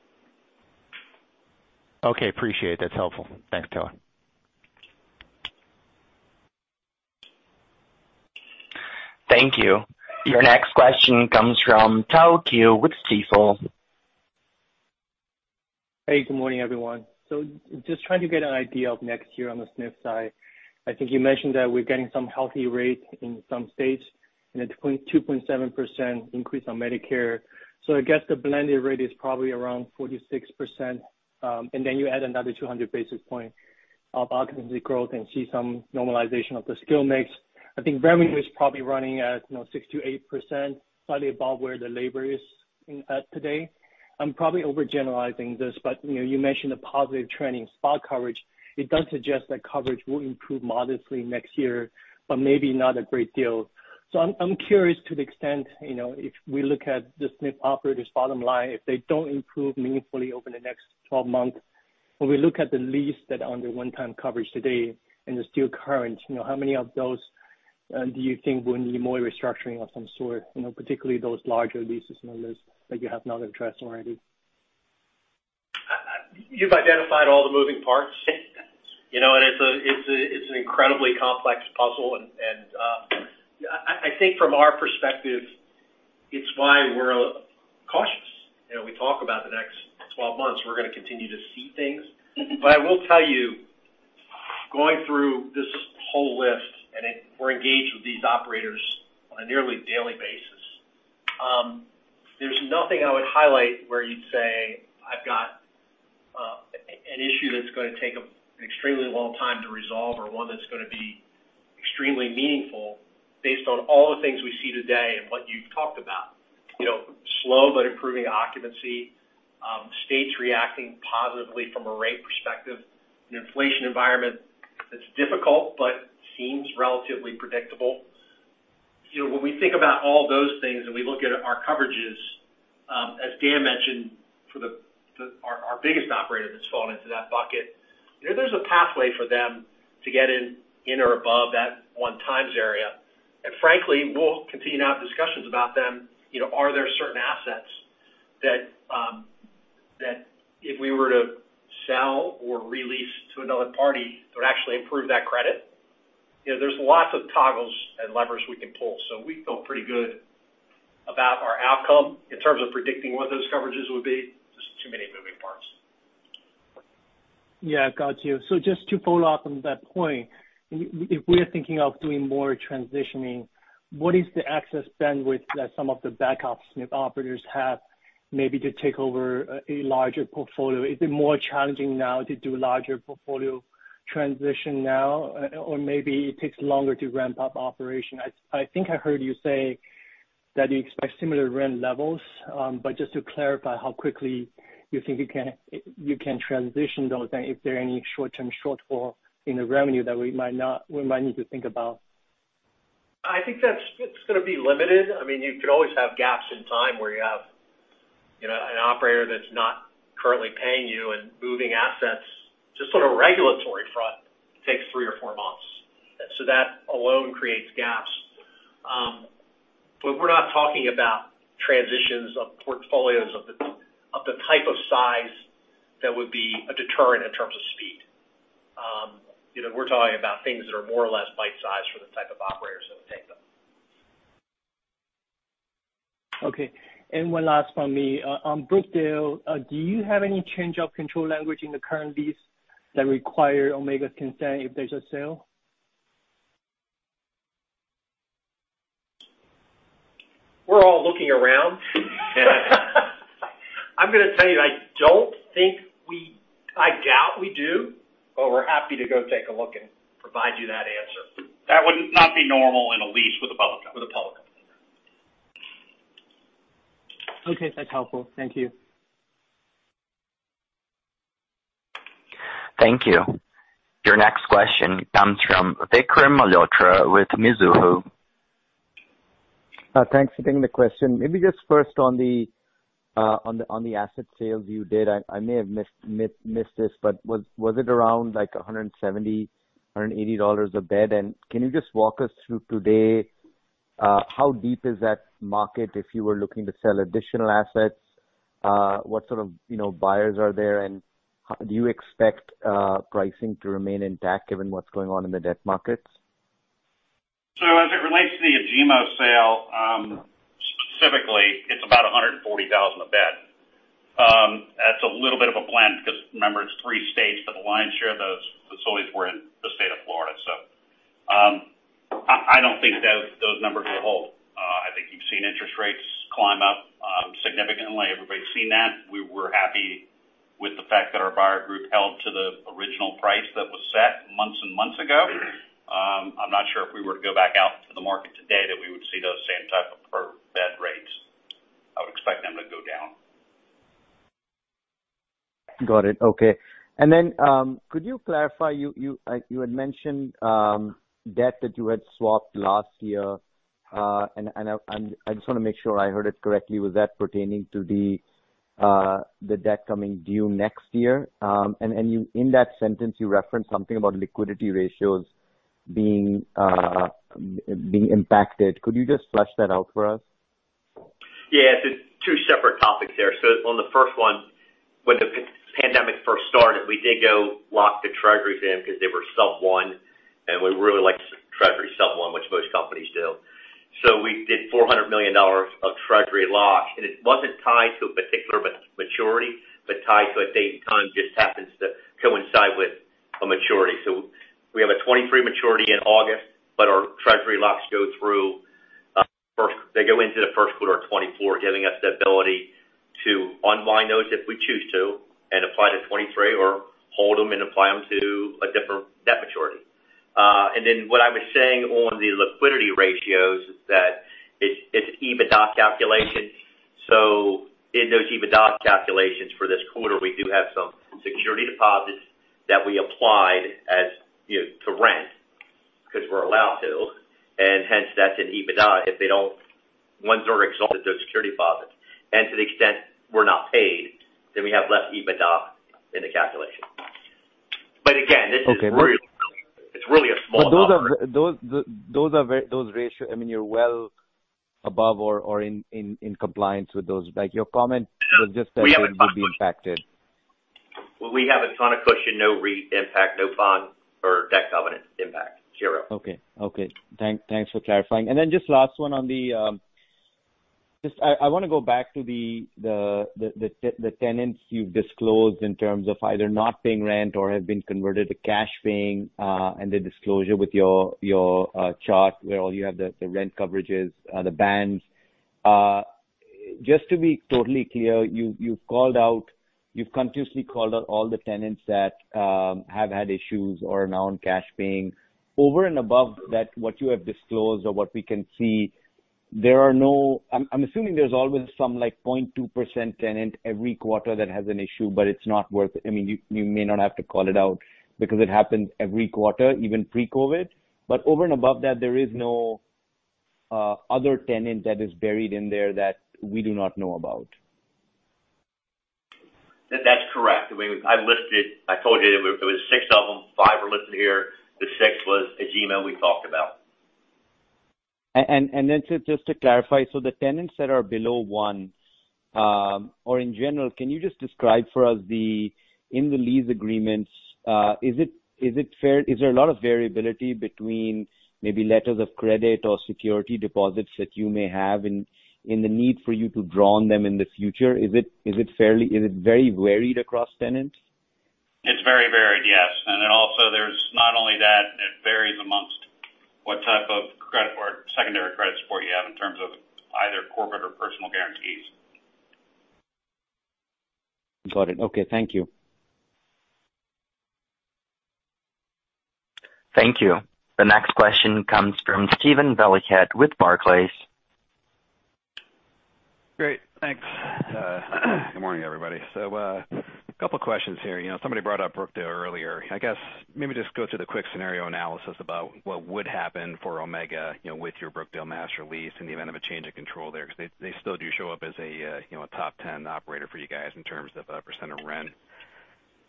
Okay. Appreciate it. That's helpful. Thanks, Todd. Thank you. Your next question comes from Tao Qiu with Stifel. Hey, good morning, everyone. Just trying to get an idea of next year on the SNF side. I think you mentioned that we're getting some healthy rates in some states, and 2.7% increase on Medicare. I guess the blended rate is probably around 46%, and then you add another 200 basis points of occupancy growth and see some normalization of the skill mix. I think Birmingham is probably running at, you know, 6%-8%, slightly above where the labor is at today. I'm probably overgeneralizing this, but, you know, you mentioned a positive trending spot coverage. It does suggest that coverage will improve modestly next year, but maybe not a great deal. I'm curious to the extent, you know, if we look at the SNF operators' bottom line, if they don't improve meaningfully over the next 12 months, when we look at the leases that are under one-time coverage today and they're still current, you know, how many of those do you think will need more restructuring of some sort, you know, particularly those larger leases on the list that you have not addressed already? You've identified all the moving parts. You know, it's an incredibly complex puzzle. I think from our perspective, it's why we're cautious. You know, we talk about the next 12 months, we're gonna continue to see things. I will tell you, going through this whole list, we're engaged with these operators on a nearly daily basis. There's nothing I would highlight where you'd say, I've got an issue that's gonna take an extremely long time to resolve or one that's gonna be extremely meaningful based on all the things we see today and what you've talked about. You know, slow but improving occupancy, states reacting positively from a rate perspective. An inflation environment that's difficult but seems relatively predictable. You know, when we think about all those things and we look at our coverages, as Dan mentioned, for our biggest operator that's fallen into that bucket, you know, there's a pathway for them to get in or above that 1x area. Frankly, we'll continue to have discussions about them. You know, are there certain assets that if we were to sell or re-lease to another party would actually improve that credit? You know, there's lots of toggles and levers we can pull, so we feel pretty good about our outcome. In terms of predicting what those coverages would be, there's too many moving parts. Yeah. Got you. Just to follow up on that point, if we are thinking of doing more transitioning, what is the access bandwidth that some of the backup SNF operators have maybe to take over a larger portfolio? Is it more challenging now to do larger portfolio transition now, or maybe it takes longer to ramp up operation? I think I heard you say that you expect similar rent levels, but just to clarify how quickly you think you can transition those and if there are any short-term shortfall in the revenue that we might need to think about. I think it's gonna be limited. I mean, you could always have gaps in time where you have, you know, an operator that's not currently paying you and moving assets. Just on a regulatory front, takes three or four months. That alone creates gaps. We're not talking about transitions of portfolios of the type of size that would be a deterrent in terms of speed. You know, we're talking about things that are more or less bite-sized for the type of operators that would take them. Okay. One last from me. On Brookdale, do you have any change of control language in the current lease that require Omega's consent if there's a sale? We're all looking around. I'm gonna tell you, I doubt we do, but we're happy to go take a look and provide you that answer. That would not be normal in a lease with a public company. Okay. That's helpful. Thank you. Thank you. Your next question comes from Vikram Malhotra with Mizuho. Thanks for taking the question. Maybe just first on the asset sales you did. I may have missed this, but was it around like $170-$180 a bed? And can you just walk us through today how deep is that market if you were looking to sell additional assets? What sort of, you know, buyers are there, and do you expect pricing to remain intact given what's going on in the debt markets? As it relates to the Agemo sale, specifically, it's about $140,000 a bed. That's a little bit of a blend because remember, it's three states, but the lion's share of those facilities were in the state of Florida. I don't think that those numbers will hold. I think you've seen interest rates climb up, significantly. Everybody's seen that. We were happy with the fact that our buyer group held to the original price that was set months and months ago. I'm not sure if we were to go back out to the market today that we would see those same type of per bed rates. I would expect them to go down. Got it. Okay. Could you clarify, like you had mentioned, debt that you had swapped last year, and I just wanna make sure I heard it correctly. Was that pertaining to the debt coming due next year? You in that sentence referenced something about liquidity ratios being impacted. Could you just flesh that out for us? Yeah. Two separate topics there. On the first one, We did go lock the Treasury then because they were sub one, and we really like Treasury sub one, which most companies do. We did $400 million of Treasury lock, and it wasn't tied to a particular maturity, but tied to a date and time just happens to coincide with a maturity. We have a 2023 maturity in August, but our Treasury locks go through first, they go into the first quarter of 2024, giving us the ability to unwind those if we choose to and apply to 2023 or hold them and apply them to a different debt maturity. What I was saying on the liquidity ratios is that it's EBITDA calculation. In those EBITDA calculations for this quarter, we do have some security deposits that we applied as, you know, to rent because we're allowed to. Hence that's an EBITDA. Once they're exhausted, they're security deposits. To the extent we're not paid, then we have less EBITDA in the calculation. Again, this is really Okay. It's really a small number. Those ratios, I mean, you're well above or in compliance with those. Like, your comment was just that it would be impacted. We have a ton of cushion, no REIT impact, no bond or debt covenant impact. Zero. Okay. Thanks for clarifying. Just last one on the tenants you've disclosed in terms of either not paying rent or have been converted to cash paying, and the disclosure with your chart where all you have the rent coverages, the bands. Just to be totally clear, you've continuously called out all the tenants that have had issues or are now on cash paying. Over and above that, what you have disclosed or what we can see, there are no. I'm assuming there's always some, like, 0.2% tenant every quarter that has an issue, but it's not worth it. I mean, you may not have to call it out because it happens every quarter, even pre-COVID. Over and above that, there is no other tenant that is buried in there that we do not know about. That's correct. I mean, I told you it was six of them. Five are listed here. The sixth was Agemo, we talked about. Just to clarify, so the tenants that are below one, or in general, can you just describe for us the in the lease agreements? Is there a lot of variability between maybe letters of credit or security deposits that you may have in the need for you to draw on them in the future? Is it very varied across tenants? It's very varied, yes. There's not only that, it varies among what type of credit or secondary credit support you have in terms of either corporate or personal guarantees. Got it. Okay. Thank you. Thank you. The next question comes from Steven Valiquette with Barclays. Great. Thanks. Good morning, everybody. Couple questions here. You know, somebody brought up Brookdale earlier. I guess maybe just go through the quick scenario analysis about what would happen for Omega, you know, with your Brookdale master lease in the event of a change of control there, because they still do show up as a, you know, a top ten operator for you guys in terms of % of rent.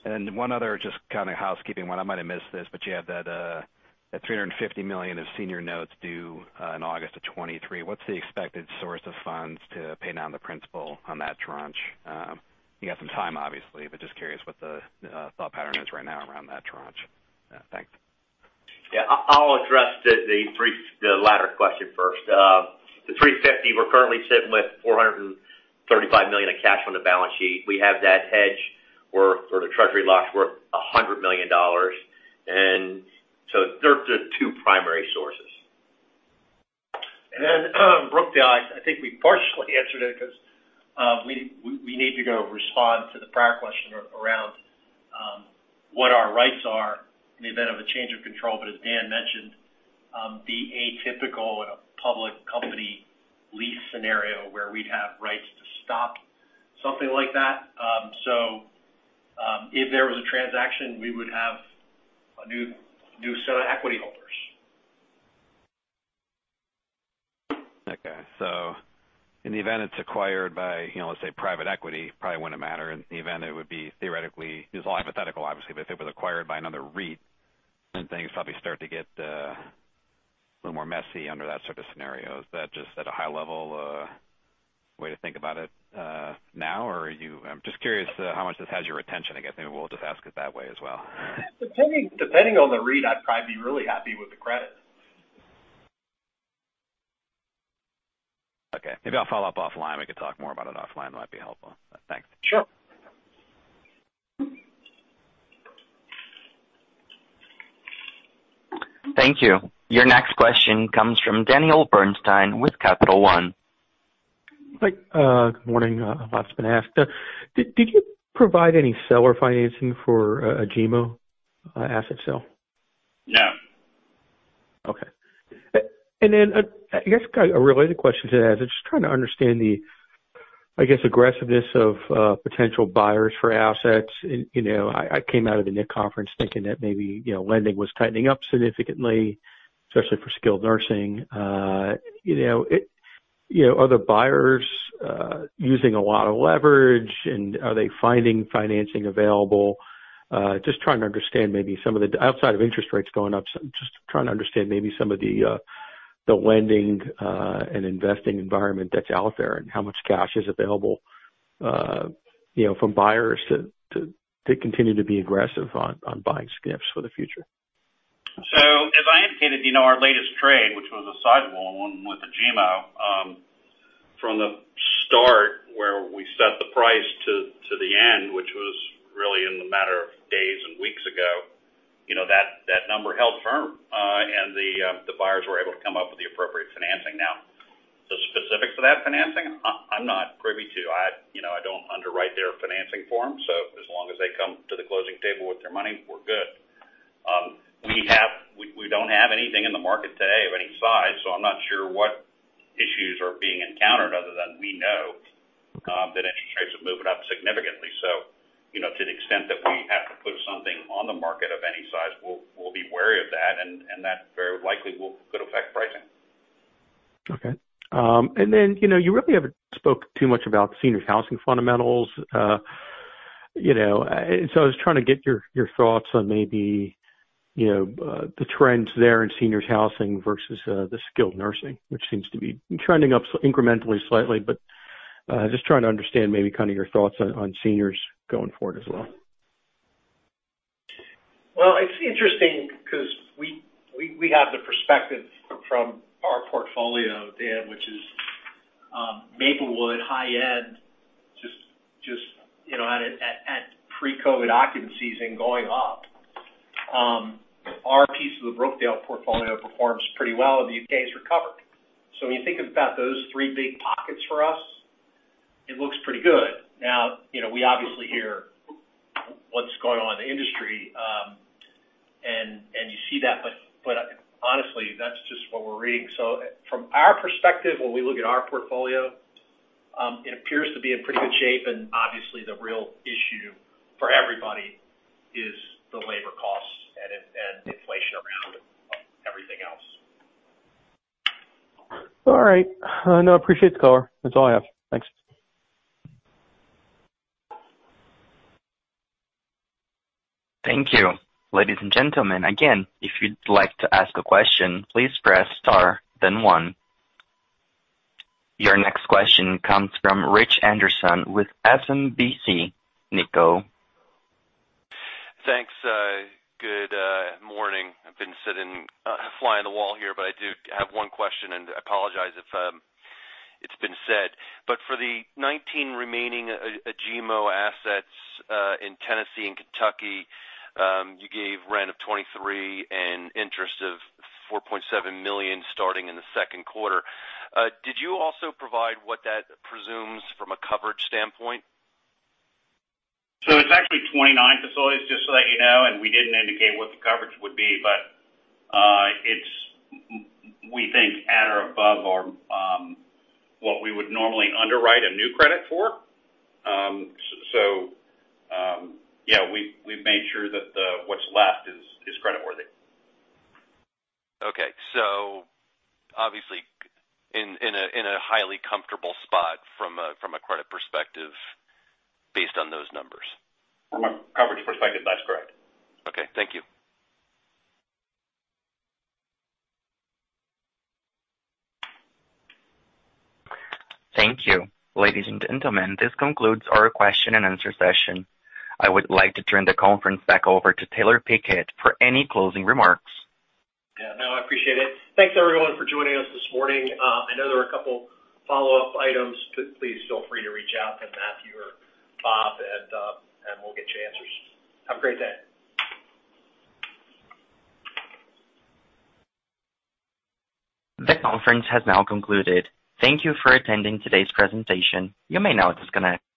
One other just kinda housekeeping one, I might have missed this, but you had that $350 million of senior notes due in August 2023. What's the expected source of funds to pay down the principal on that tranche? You got some time, obviously, but just curious what the thought pattern is right now around that tranche. Thanks. Yeah. I'll address the latter question first. The $350 million, we're currently sitting with $435 million of cash on the balance sheet. We have that hedge or the treasury locks worth $100 million. They're the two primary sources. Brookdale, I think we partially answered it because we need to go respond to the prior question around what our rights are in the event of a change of control. As Dan mentioned, that's atypical in a public company lease scenario where we'd have rights to stock, something like that. If there was a transaction, we would have a new set of equity holders. Okay. In the event it's acquired by, you know, let's say private equity, probably wouldn't matter. In the event it would be theoretically. This is all hypothetical, obviously, but if it was acquired by another REIT, then things probably start to get a little more messy under that sort of scenario. Is that just at a high level way to think about it now, or are you, I'm just curious how much this has your attention, I guess. Maybe we'll just ask it that way as well. Depending on the read, I'd probably be really happy with the credit. Okay. Maybe I'll follow up offline. We can talk more about it offline. It might be helpful. Thanks. Sure. Thank you. Your next question comes from Daniel Bernstein with Capital One. Like, good morning. Has been asked, did you provide any seller financing for Agemo asset sale? No. Okay. I guess kind of a related question to that is just trying to understand the, I guess, aggressiveness of potential buyers for assets. You know, I came out of the NIC conference thinking that maybe, you know, lending was tightening up significantly, especially for skilled nursing. You know, are the buyers using a lot of leverage, and are they finding financing available? Just trying to understand maybe some of the lending and investing environment that's out there, and how much cash is available, you know, from buyers to continue to be aggressive on buying SNFs for the future. As I indicated, you know, our latest trade, which was a sizable one with Agemo, from the start where we set the price to the end, which was really in the matter of days and weeks ago, you know, that number held firm, and the buyers were able to come up with the appropriate financing. Now, the specifics of that financing I'm not privy to. I, you know, I don't underwrite their financing for them, so as long as they come to the closing table with their money, we're good. We don't have anything in the market today of any size, so I'm not sure what issues are being encountered other than we know that interest rates are moving up significantly. you know, to the extent that we have to put something on the market of any size, we'll be wary of that, and that very likely could affect pricing. Okay. You know, you really haven't spoke too much about seniors' housing fundamentals. You know, I was trying to get your thoughts on maybe the trends there in seniors housing versus the skilled nursing, which seems to be trending up incrementally slightly. Just trying to understand maybe kind of your thoughts on seniors going forward as well. Well, it's interesting because we have the perspective from our portfolio, Dan, which is Maplewood high end, just you know at pre-COVID occupancies and going up. Our piece of the Brookdale portfolio performs pretty well, and the U.K.'s recovered. When you think about those three big pockets for us, it looks pretty good. Now, you know, we obviously hear what's going on in the industry, and you see that. Honestly, that's just what we're reading. From our perspective, when we look at our portfolio, it appears to be in pretty good shape. Obviously the real issue for everybody is the labor costs and inflation around everything else. All right. No, I appreciate the color. That's all I have. Thanks. Thank you. Ladies and gentlemen, again, if you'd like to ask a question, please press star then one. Your next question comes from Rich Anderson with SMBC Nikko. Thanks. Good morning. I've been sitting fly on the wall here, but I do have one question, and I apologize if it's been said. For the 19 remaining Agemo assets in Tennessee and Kentucky, you gave rent of $23 million and interest of $4.7 million starting in the second quarter. Did you also provide what that presumes from a coverage standpoint? It's actually 29 facilities, just to let you know, and we didn't indicate what the coverage would be. It's, we think, at or above our what we would normally underwrite a new credit for. Yeah, we've made sure that what's left is creditworthy. Obviously in a highly comfortable spot from a credit perspective based on those numbers. From a coverage perspective, that's correct. Okay. Thank you. Thank you. Ladies and gentlemen, this concludes our question and answer session. I would like to turn the conference back over to Taylor Pickett for any closing remarks. Yeah, no, I appreciate it. Thanks, everyone for joining us this morning. I know there were a couple follow-up items. Please feel free to reach out to Matthew or Bob at, and we'll get you answers. Have a great day. The conference has now concluded. Thank you for attending today's presentation. You may now disconnect.